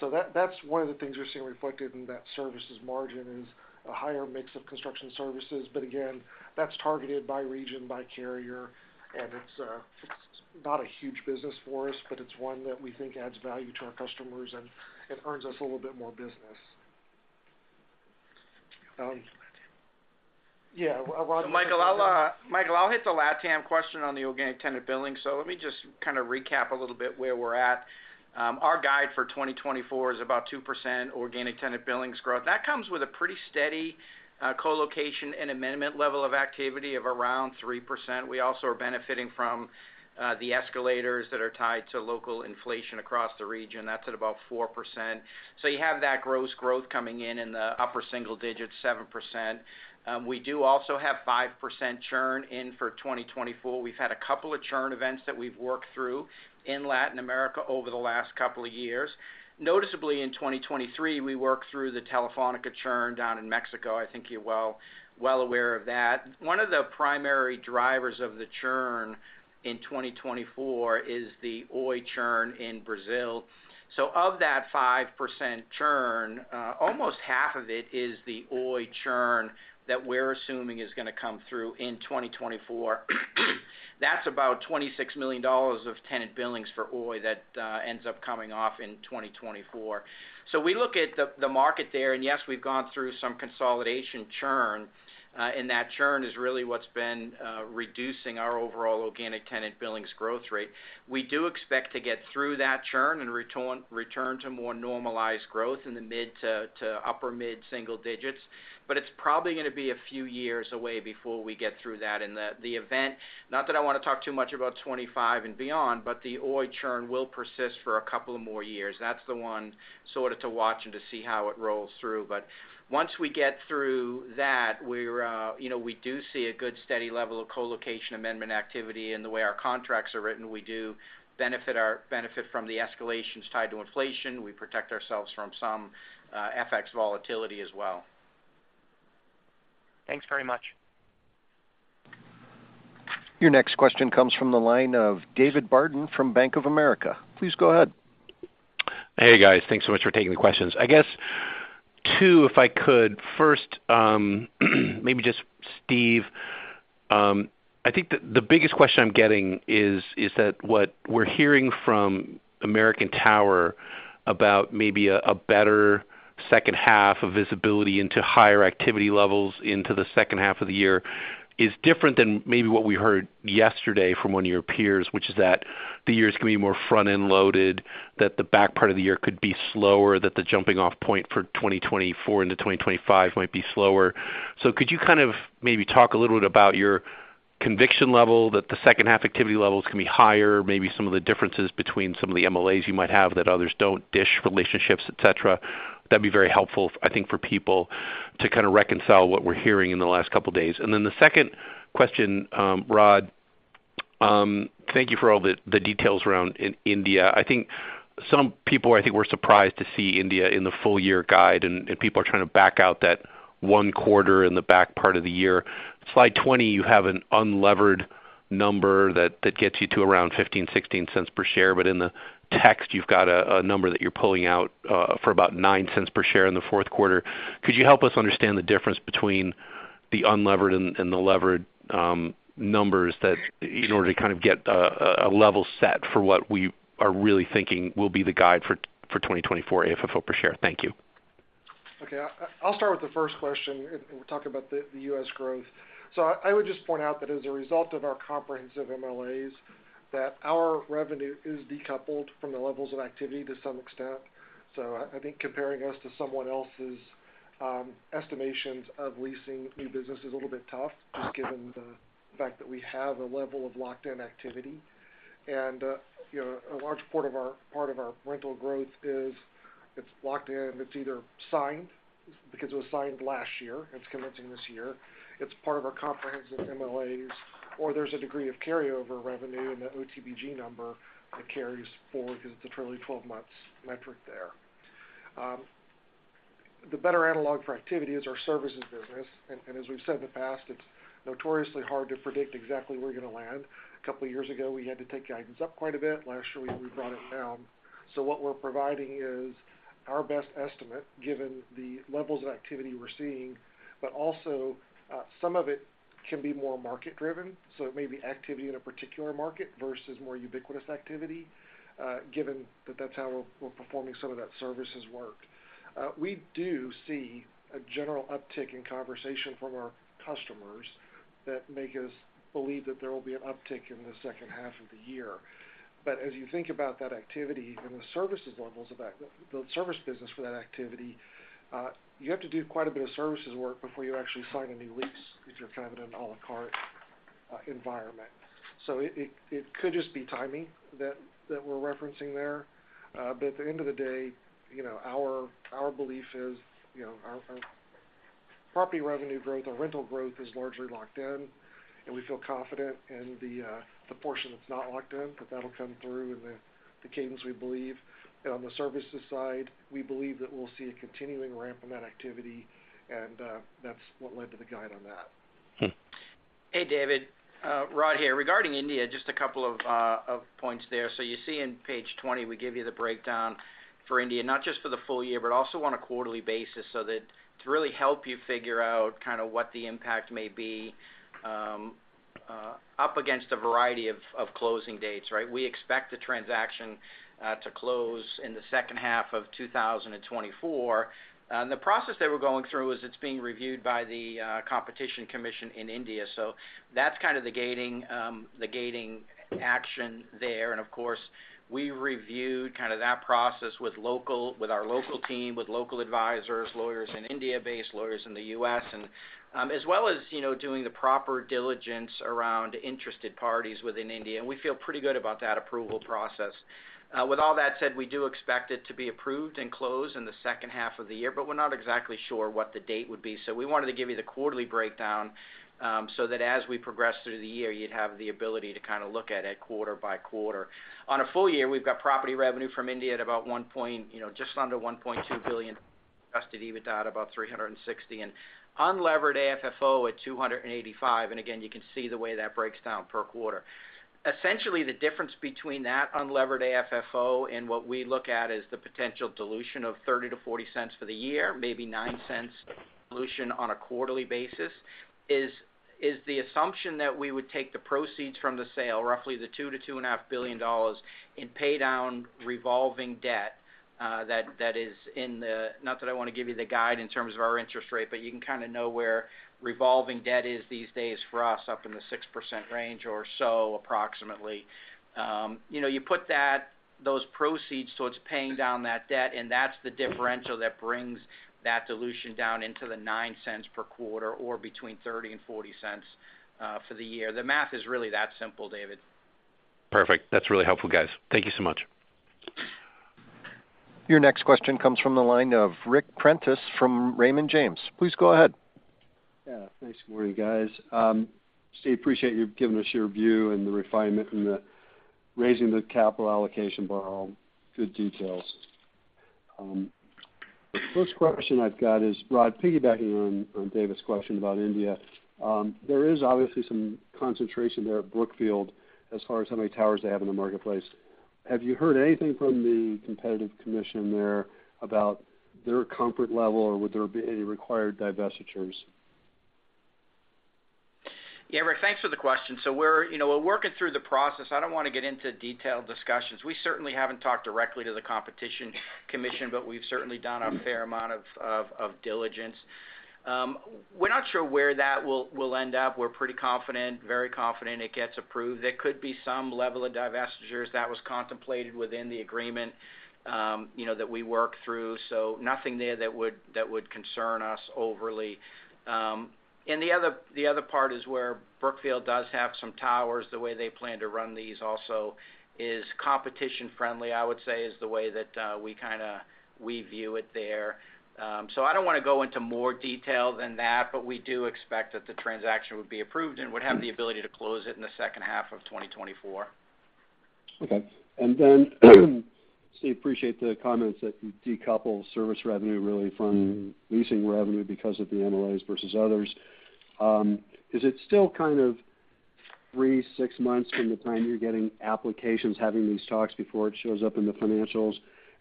So that's one of the things you're seeing reflected in that services margin, is a higher mix of construction services. But again, that's targeted by region, by carrier, and it's not a huge business for us, but it's one that we think adds value to our customers, and it earns us a little bit more business. Yeah, well- Michael, I'll hit the LatAm question on the organic tenant billing. So let me just kind of recap a little bit where we're at. Our guide for 2024 is about 2% organic tenant billings growth. That comes with a pretty steady colocation and amendment level of activity of around 3%. We also are benefiting from the escalators that are tied to local inflation across the region. That's at about 4%. So you have that gross growth coming in in the upper single digits, 7%. We do also have 5% churn in for 2024. We've had a couple of churn events that we've worked through in Latin America over the last couple of years. Noticeably, in 2023, we worked through the Telefónica churn down in Mexico. I think you're well, well aware of that. One of the primary drivers of the churn in 2024 is the Oi churn in Brazil. So of that 5% churn, almost half of it is the Oi churn that we're assuming is gonna come through in 2024. That's about $26 million of tenant billings for Oi that ends up coming off in 2024. So we look at the market there, and yes, we've gone through some consolidation churn, and that churn is really what's been reducing our overall organic tenant billings growth rate. We do expect to get through that churn and return to more normalized growth in the mid- to upper mid-single digits, but it's probably gonna be a few years away before we get through that. The event—not that I wanna talk too much about 25 and beyond, but the Oi churn will persist for a couple of more years. That's the one sort of to watch and to see how it rolls through. But once we get through that, we're, you know, we do see a good, steady level of colocation amendment activity. And the way our contracts are written, we do benefit from the escalations tied to inflation. We protect ourselves from some FX volatility as well. Thanks very much. Your next question comes from the line of David Barden from Bank of America. Please go ahead. Hey, guys. Thanks so much for taking the questions. I guess two, if I could. First, maybe just Steve, I think that the biggest question I'm getting is, is that what we're hearing from American Tower about maybe a, a better second half of visibility into higher activity levels into the second half of the year, is different than maybe what we heard yesterday from one of your peers, which is that the year's gonna be more front-end loaded, that the back part of the year could be slower, that the jumping off point for 2024 into 2025 might be slower. So could you kind of maybe talk a little bit about your conviction level, that the second half activity levels can be higher, maybe some of the differences between some of the MLAs you might have that others don't, Dish relationships, etcetera. That'd be very helpful, I think, for people to kind of reconcile what we're hearing in the last couple of days. Then the second question, Rod, thank you for all the details around in India. I think some people, I think, were surprised to see India in the full year guide, and people are trying to back out that one quarter in the back part of the year. Slide 20, you have an unlevered number that gets you to around $0.15-$0.16 per share, but in the text, you've got a number that you're pulling out for about $0.09 per share in the fourth quarter. Could you help us understand the difference between the unlevered and the levered numbers, in order to kind of get a level set for what we are really thinking will be the guide for 2024 AFFO per share? Thank you. Okay. I'll start with the first question, and we'll talk about the U.S. growth. So I would just point out that as a result of our comprehensive MLAs, that our revenue is decoupled from the levels of activity to some extent. So I think comparing us to someone else's estimations of leasing new business is a little bit tough, just given the fact that we have a level of locked-in activity. And you know, a large part of our rental growth is it's locked in. It's either signed because it was signed last year, and it's commencing this year, it's part of our comprehensive MLAs, or there's a degree of carryover revenue in the OTBG number that carries forward because it's a truly twelve months metric there. The better analog for activity is our services business. As we've said in the past, it's notoriously hard to predict exactly where you're gonna land. A couple of years ago, we had to take guidance up quite a bit. Last year, we brought it down. So what we're providing is our best estimate, given the levels of activity we're seeing, but also, some of it can be more market driven, so it may be activity in a particular market versus more ubiquitous activity, given that that's how we're performing some of that services work. We do see a general uptick in conversation from our customers that make us believe that there will be an uptick in the second half of the year. But as you think about that activity and the services levels of the service business for that activity, you have to do quite a bit of services work before you actually sign any new leases if you're kind of in an à la carte environment. So it could just be timing that we're referencing there. But at the end of the day, you know, our belief is, you know, our property revenue growth, our rental growth is largely locked in, and we feel confident in the portion that's not locked in, that that'll come through in the cadence we believe. And on the services side, we believe that we'll see a continuing ramp in that activity, and that's what led to the guide on that. Hmm. Hey, David, Rod here. Regarding India, just a couple of points there. So you see in page 20, we give you the breakdown for India, not just for the full year, but also on a quarterly basis, so that to really help you figure out kind of what the impact may be up against a variety of closing dates, right? We expect the transaction to close in the second half of 2024. And the process that we're going through is it's being reviewed by the Competition Commission in India. So that's kind of the gating action there. And of course, we reviewed kind of that process with our local team, with local advisors, lawyers in India, based lawyers in the U.S. And, as well as, you know, doing the proper diligence around interested parties within India, and we feel pretty good about that approval process. With all that said, we do expect it to be approved and closed in the second half of the year, but we're not exactly sure what the date would be. So we wanted to give you the quarterly breakdown, so that as we progress through the year, you'd have the ability to kind of look at it quarter by quarter. On a full year, we've got property revenue from India at about one point, you know, just under $1.2 billion, adjusted EBITDA about $360 million, and unlevered AFFO at $285 million. And again, you can see the way that breaks down per quarter. Essentially, the difference between that unlevered AFFO and what we look at is the potential dilution of $0.30-$0.40 for the year, maybe $0.09 dilution on a quarterly basis, is the assumption that we would take the proceeds from the sale, roughly $2-$2.5 billion, and pay down revolving debt, that is in the... Not that I want to give you the guide in terms of our interest rate, but you can kind of know where revolving debt is these days for us, up in the 6% range or so, approximately. You know, you put those proceeds towards paying down that debt, and that's the differential that brings that dilution down into the $0.09 per quarter or between $0.30 and $0.40, for the year. The math is really that simple, David. Perfect. That's really helpful, guys. Thank you so much. Your next question comes from the line of Ric Prentiss from Raymond James. Please go ahead. Yeah, thanks. Good morning, guys. Steve, appreciate you giving us your view and the refinement and the raising the capital allocation bar on good details. The first question I've got is, Rod, piggybacking on David's question about India, there is obviously some concentration there at Brookfield as far as how many towers they have in the marketplace. Have you heard anything from the competitive commission there about their comfort level, or would there be any required divestitures? Yeah, Ric, thanks for the question. So we're, you know, we're working through the process. I don't want to get into detailed discussions. We certainly haven't talked directly to the Competition Commission, but we've certainly done a fair amount of diligence. We're not sure where that will end up. We're pretty confident, very confident it gets approved. There could be some level of divestitures that was contemplated within the agreement, you know, that we worked through, so nothing there that would concern us overly. And the other part is where Brookfield does have some towers. The way they plan to run these also is competition friendly, I would say, is the way that we kind of, we view it there. So, I don't wanna go into more detail than that, but we do expect that the transaction would be approved and would have the ability to close it in the second half of 2024. Okay. And then, Steve, appreciate the comments that you decouple service revenue really from leasing revenue because of the MLAs versus others. Is it still kind of 3-6 months from the time you're getting applications, having these talks before it shows up in the financials?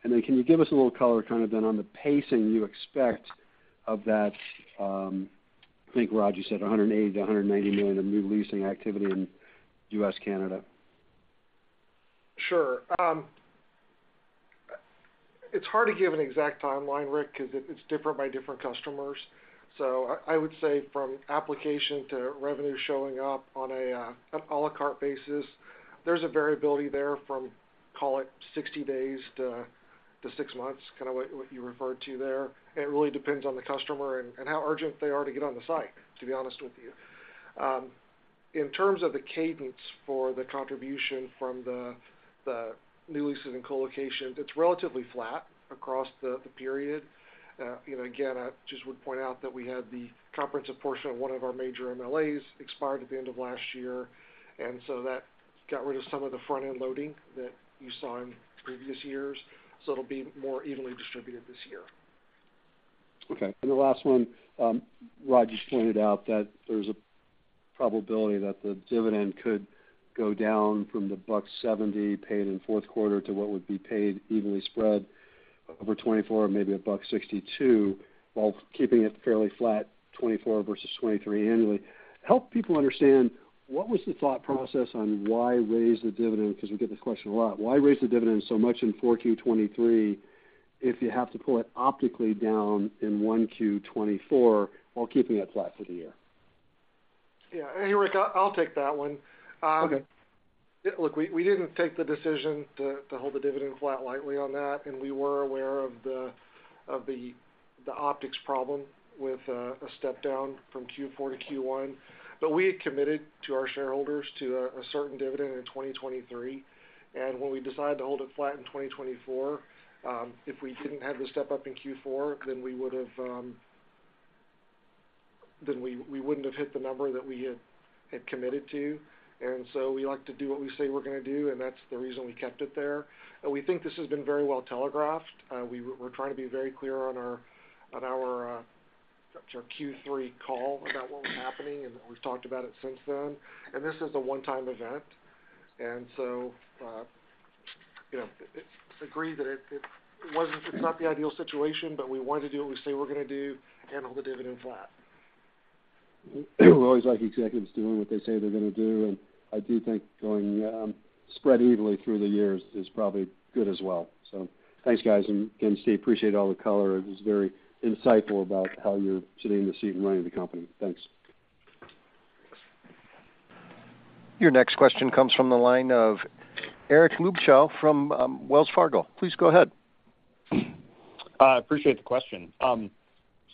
And then can you give us a little color, kind of then on the pacing you expect of that, I think, Rod, you said $180 million-$190 million of new leasing activity in U.S., Canada? Sure. It's hard to give an exact timeline, Ric, because it, it's different by different customers. So I, I would say from application to revenue showing up on a, an a la carte basis, there's a variability there from, call it 60 days to, to 6 months, kind of what, what you referred to there. It really depends on the customer and, and how urgent they are to get on the site, to be honest with you. In terms of the cadence for the contribution from the, the new leases and co-locations, it's relatively flat across the, the period. You know, again, I just would point out that we had the comprehensive portion of one of our major MLAs expired at the end of last year, and so that got rid of some of the front-end loading that you saw in previous years, so it'll be more evenly distributed this year. Okay. And the last one, Rod just pointed out that there's a probability that the dividend could go down from the $1.70 paid in fourth quarter to what would be paid evenly spread over 2024, maybe a $1.62, while keeping it fairly flat, 2024 versus 2023 annually. Help people understand, what was the thought process on why raise the dividend? Because we get this question a lot. Why raise the dividend so much in 4Q 2023, if you have to pull it optically down in 1Q 2024 while keeping it flat for the year? Yeah. Hey, Ric, I'll take that one. Okay.... Yeah, look, we didn't take the decision to hold the dividend flat lightly on that, and we were aware of the optics problem with a step down from Q4 to Q1. But we had committed to our shareholders to a certain dividend in 2023, and when we decided to hold it flat in 2024, if we didn't have the step up in Q4, then we would've, then we wouldn't have hit the number that we had committed to. And so we like to do what we say we're gonna do, and that's the reason we kept it there. And we think this has been very well telegraphed. We're trying to be very clear on our Q3 call about what was happening, and we've talked about it since then. This is a one-time event. So, you know, it's agreed that it, it wasn't, it's not the ideal situation, but we wanted to do what we say we're gonna do and hold the dividend flat. We always like executives doing what they say they're gonna do, and I do think going spread evenly through the years is probably good as well. So thanks, guys. And again, Steve, appreciate all the color. It was very insightful about how you're sitting in the seat and running the company. Thanks. Your next question comes from the line of Eric Luebchow from Wells Fargo. Please go ahead. Appreciate the question.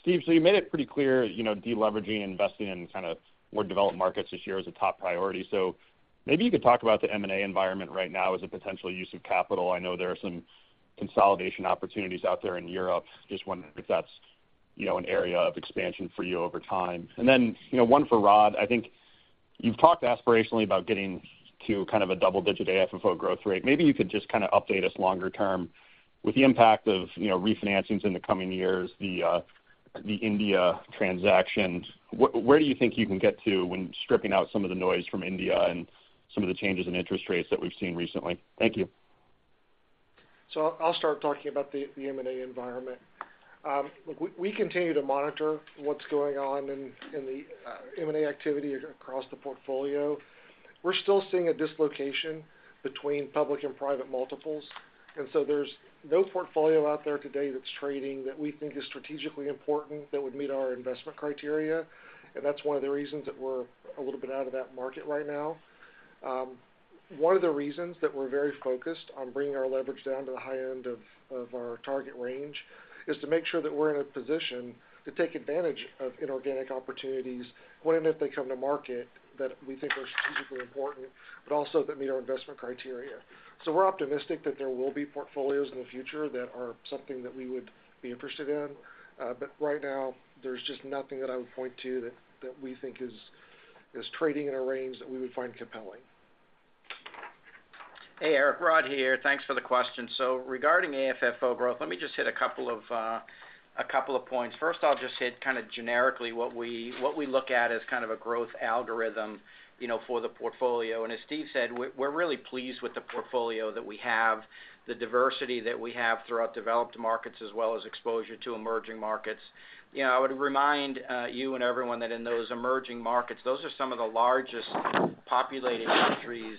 Steve, so you made it pretty clear, you know, deleveraging, investing in kind of more developed markets this year is a top priority. So maybe you could talk about the M&A environment right now as a potential use of capital. I know there are some consolidation opportunities out there in Europe. Just wondering if that's, you know, an area of expansion for you over time. And then, you know, one for Rod. I think you've talked aspirationally about getting to kind of a double-digit AFFO growth rate. Maybe you could just kind of update us longer term. With the impact of, you know, refinancings in the coming years, the India transaction, where do you think you can get to when stripping out some of the noise from India and some of the changes in interest rates that we've seen recently? Thank you. So I'll start talking about the M&A environment. Look, we continue to monitor what's going on in the M&A activity across the portfolio. We're still seeing a dislocation between public and private multiples, and so there's no portfolio out there today that's trading that we think is strategically important, that would meet our investment criteria, and that's one of the reasons that we're a little bit out of that market right now. One of the reasons that we're very focused on bringing our leverage down to the high end of our target range is to make sure that we're in a position to take advantage of inorganic opportunities when and if they come to market, that we think are strategically important, but also that meet our investment criteria. So we're optimistic that there will be portfolios in the future that are something that we would be interested in. But right now, there's just nothing that I would point to that we think is trading in a range that we would find compelling. Hey, Eric, Rod here. Thanks for the question. So regarding AFFO growth, let me just hit a couple of points. First, I'll just hit kind of generically what we look at as kind of a growth algorithm, you know, for the portfolio. And as Steve said, we're really pleased with the portfolio that we have, the diversity that we have throughout developed markets, as well as exposure to emerging markets. You know, I would remind you and everyone that in those emerging markets, those are some of the largest populated countries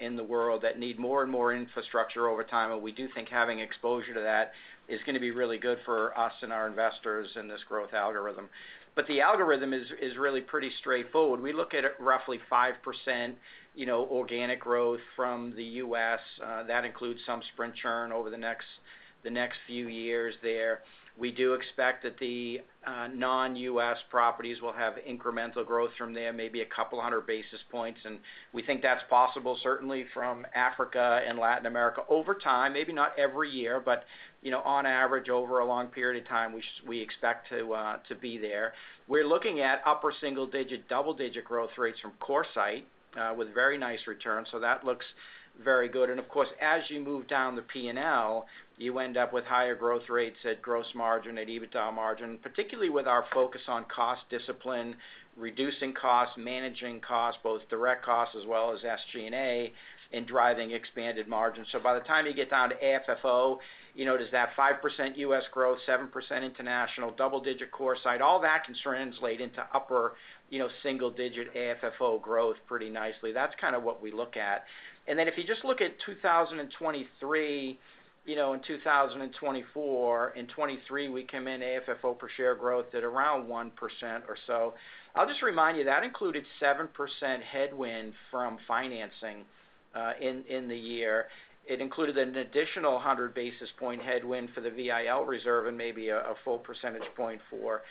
in the world that need more and more infrastructure over time, and we do think having exposure to that is gonna be really good for us and our investors in this growth algorithm. But the algorithm is really pretty straightforward. We look at it roughly 5%, you know, organic growth from the U.S. That includes some Sprint churn over the next, the next few years there. We do expect that the non-U.S. properties will have incremental growth from there, maybe a couple hundred basis points, and we think that's possible, certainly from Africa and Latin America over time. Maybe not every year, but, you know, on average, over a long period of time, we expect to be there. We're looking at upper single-digit, double-digit growth rates from CoreSite with very nice returns, so that looks very good. And of course, as you move down the P&L, you end up with higher growth rates at gross margin, at EBITDA margin, particularly with our focus on cost discipline, reducing costs, managing costs, both direct costs as well as SG&A, and driving expanded margins. So by the time you get down to AFFO, you know, there's that 5% U.S. growth, 7% international, double-digit CoreSite, all that can translate into upper, you know, single-digit AFFO growth pretty nicely. That's kind of what we look at. And then if you just look at 2023, you know, in 2024, in 2023, we came in AFFO per share growth at around 1% or so. I'll just remind you, that included 7% headwind from financing, in the year. It included an additional 100 basis point headwind for the VIL reserve and maybe a full percentage point for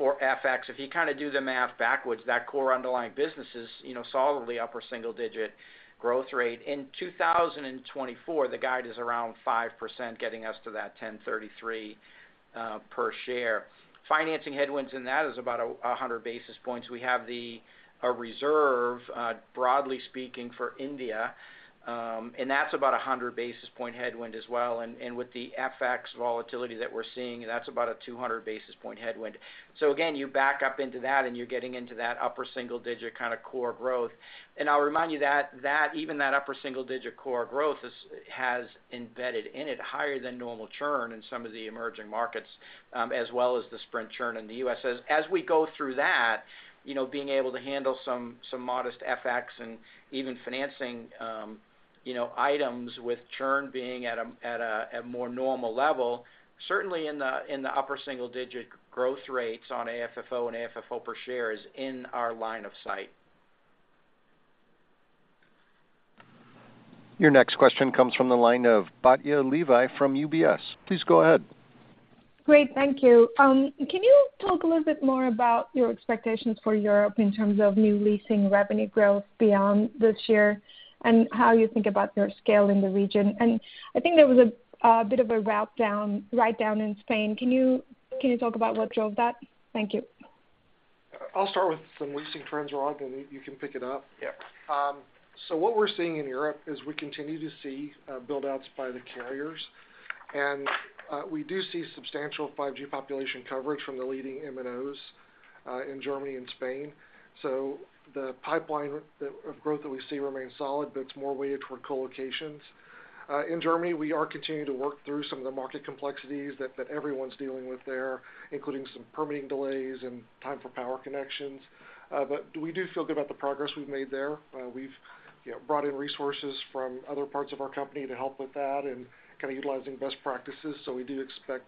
FX. If you kind of do the math backwards, that core underlying business is, you know, solidly upper single-digit growth rate. In 2024, the guide is around 5%, getting us to that $10.33 per share. Financing headwinds in that is about 100 basis points. We have a reserve, broadly speaking, for India, and that's about 100 basis points headwind as well. And with the FX volatility that we're seeing, that's about 200 basis points headwind. So again, you back up into that, and you're getting into that upper single digit kind of core growth. And I'll remind you that even that upper single digit core growth has embedded in it higher than normal churn in some of the emerging markets, as well as the Sprint churn in the U.S. As we go through that, you know, being able to handle some modest FX and even financing,... You know, items with churn being at a more normal level, certainly in the upper single-digit growth rates on AFFO and AFFO per share is in our line of sight. Your next question comes from the line of Batya Levi from UBS. Please go ahead. Great, thank you. Can you talk a little bit more about your expectations for Europe in terms of new leasing revenue growth beyond this year, and how you think about your scale in the region? And I think there was a bit of a writedown in Spain. Can you talk about what drove that? Thank you. I'll start with some leasing trends, Rod, and you can pick it up. Yep. So what we're seeing in Europe is we continue to see build-outs by the carriers, and we do see substantial 5G population coverage from the leading MNOs in Germany and Spain. So the pipeline of growth that we see remains solid, but it's more weighted toward colocations. In Germany, we are continuing to work through some of the market complexities that everyone's dealing with there, including some permitting delays and time for power connections. But we do feel good about the progress we've made there. We've, you know, brought in resources from other parts of our company to help with that and kind of utilizing best practices, so we do expect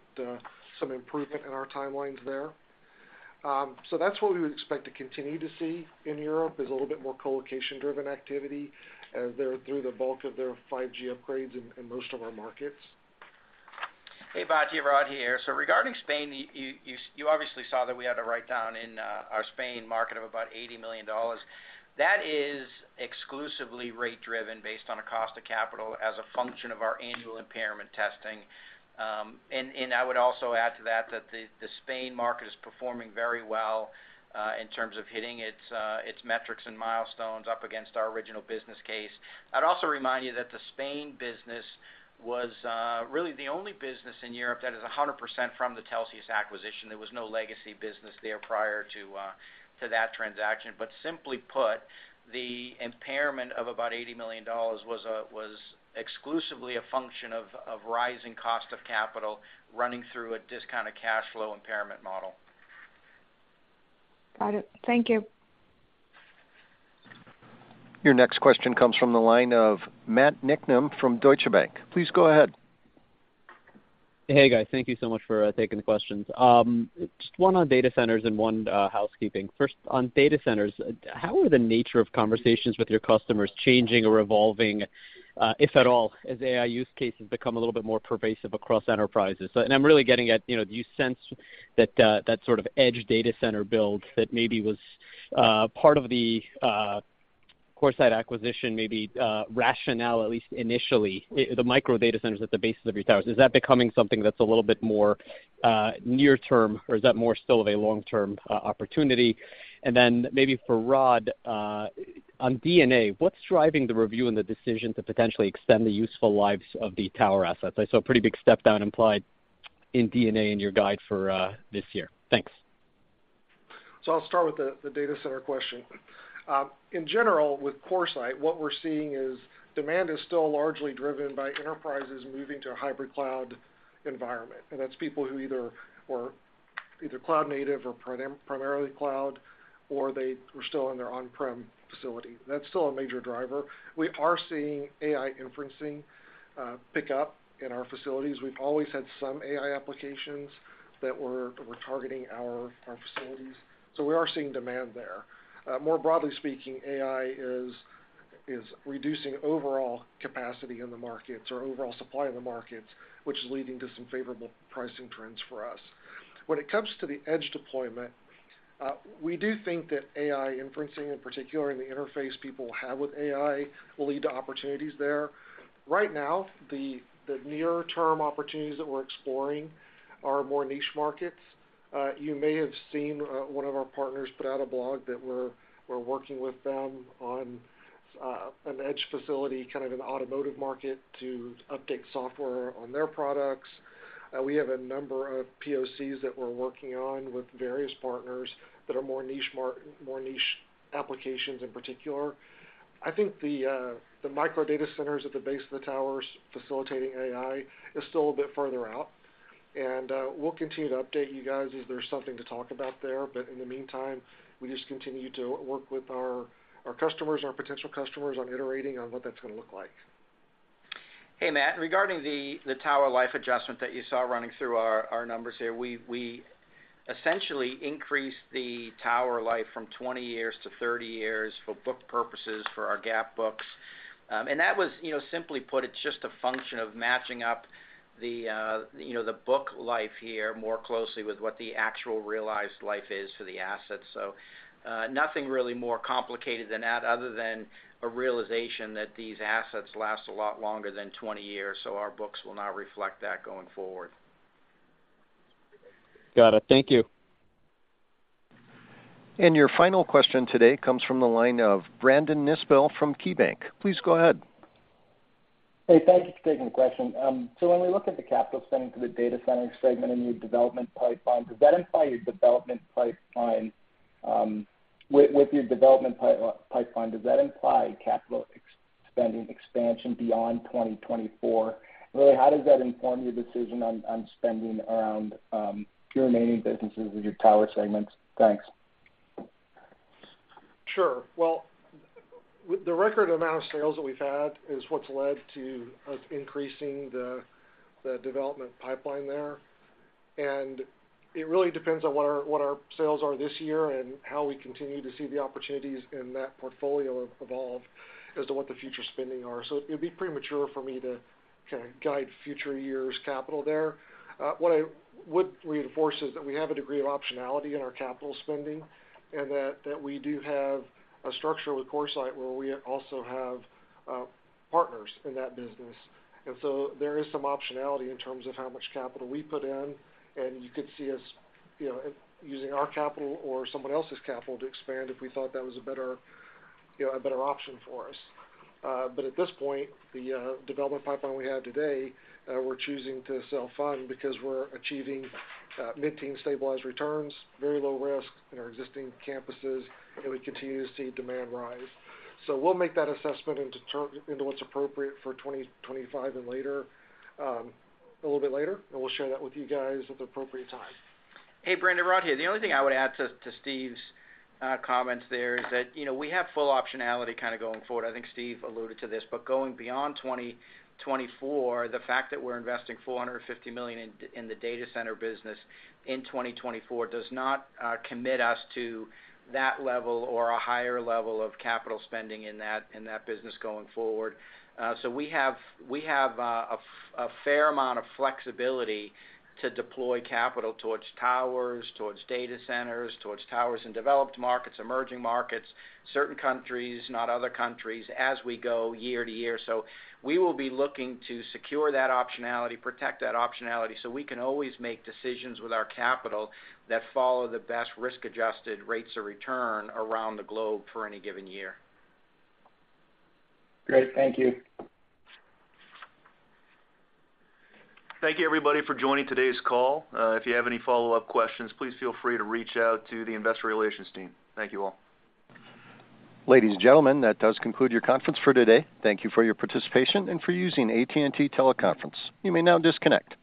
some improvement in our timelines there. So that's what we would expect to continue to see in Europe, is a little bit more colocation-driven activity there through the bulk of their 5G upgrades in most of our markets. Hey, Batya, Rod here. So regarding Spain, you obviously saw that we had a write-down in our Spain market of about $80 million. That is exclusively rate driven based on a cost of capital as a function of our annual impairment testing. And I would also add to that, that the Spain market is performing very well in terms of hitting its metrics and milestones up against our original business case. I'd also remind you that the Spain business was really the only business in Europe that is 100% from the Telxius acquisition. There was no legacy business there prior to that transaction. But simply put, the impairment of about $80 million was exclusively a function of rising cost of capital running through a discounted cash flow impairment model. Got it. Thank you. Your next question comes from the line of Matt Nicknam from Deutsche Bank. Please go ahead. Hey, guys. Thank you so much for taking the questions. Just one on data centers and one housekeeping. First, on data centers, how are the nature of conversations with your customers changing or evolving, if at all, as AI use cases become a little bit more pervasive across enterprises? So, and I'm really getting at, you know, do you sense that that sort of edge data center build that maybe was part of the CoreSite acquisition, maybe rationale, at least initially, the micro data centers at the bases of your towers, is that becoming something that's a little bit more near term, or is that more still of a long-term opportunity? And then maybe for Rod on D&A, what's driving the review and the decision to potentially extend the useful lives of the tower assets? I saw a pretty big step down implied in D&A in your guide for this year. Thanks. So I'll start with the data center question. In general, with CoreSite, what we're seeing is demand is still largely driven by enterprises moving to a hybrid cloud environment, and that's people who either were cloud native or primarily cloud, or they were still in their on-prem facility. That's still a major driver. We are seeing AI inferencing pick up in our facilities. We've always had some AI applications that were targeting our facilities, so we are seeing demand there. More broadly speaking, AI is reducing overall capacity in the markets or overall supply in the markets, which is leading to some favorable pricing trends for us. When it comes to the edge deployment, we do think that AI inferencing, in particular, and the interface people have with AI, will lead to opportunities there. Right now, the near-term opportunities that we're exploring are more niche markets. You may have seen one of our partners put out a blog that we're working with them on an edge facility, kind of in the automotive market, to update software on their products. We have a number of POCs that we're working on with various partners that are more niche applications in particular. I think the micro data centers at the base of the towers facilitating AI is still a bit further out, and we'll continue to update you guys if there's something to talk about there. But in the meantime, we just continue to work with our customers, our potential customers, on iterating on what that's gonna look like. Hey, Matt. Regarding the tower life adjustment that you saw running through our numbers here, we essentially increased the tower life from 20 years to 30 years for book purposes for our GAAP books. And that was, you know, simply put, it's just a function of matching up the, you know, the book life here more closely with what the actual realized life is for the assets. So, nothing really more complicated than that, other than a realization that these assets last a lot longer than 20 years, so our books will now reflect that going forward. Got it. Thank you. Your final question today comes from the line of Brandon Nispel from KeyBanc. Please go ahead. Hey, thank you for taking the question. So when we look at the capital spending for the data center segment in your development pipeline, does that imply your development pipeline? With your development pipeline, does that imply capital spending expansion beyond 2024? Really, how does that inform your decision on spending around your remaining businesses with your tower segments? Thanks. Sure. Well, with the record amount of sales that we've had is what's led to us increasing the development pipeline there. And it really depends on what our sales are this year and how we continue to see the opportunities in that portfolio evolve as to what the future spending are. So it'd be premature for me to kind of guide future years' capital there. What I would reinforce is that we have a degree of optionality in our capital spending, and that we do have a structure with CoreSite, where we also have partners in that business. And so there is some optionality in terms of how much capital we put in, and you could see us, you know, using our capital or someone else's capital to expand if we thought that was a better, you know, a better option for us. But at this point, the development pipeline we have today, we're choosing to self-fund because we're achieving mid-teen stabilized returns, very low risk in our existing campuses, and we continue to see demand rise. So we'll make that assessment into what's appropriate for 2025 and later, a little bit later, and we'll share that with you guys at the appropriate time. Hey, Brandon, Rod here. The only thing I would add to Steve's comments there is that, you know, we have full optionality kind of going forward. I think Steve alluded to this. But going beyond 2024, the fact that we're investing $450 million in the data center business in 2024 does not commit us to that level or a higher level of capital spending in that business going forward. So we have a fair amount of flexibility to deploy capital towards towers, towards data centers, towards towers in developed markets, emerging markets, certain countries, not other countries, as we go year to year. So we will be looking to secure that optionality, protect that optionality, so we can always make decisions with our capital that follow the best risk-adjusted rates of return around the globe for any given year. Great. Thank you. Thank you, everybody, for joining today's call. If you have any follow-up questions, please feel free to reach out to the Investor Relations team. Thank you all. Ladies and gentlemen, that does conclude your conference for today. Thank you for your participation and for using AT&T Teleconference. You may now disconnect.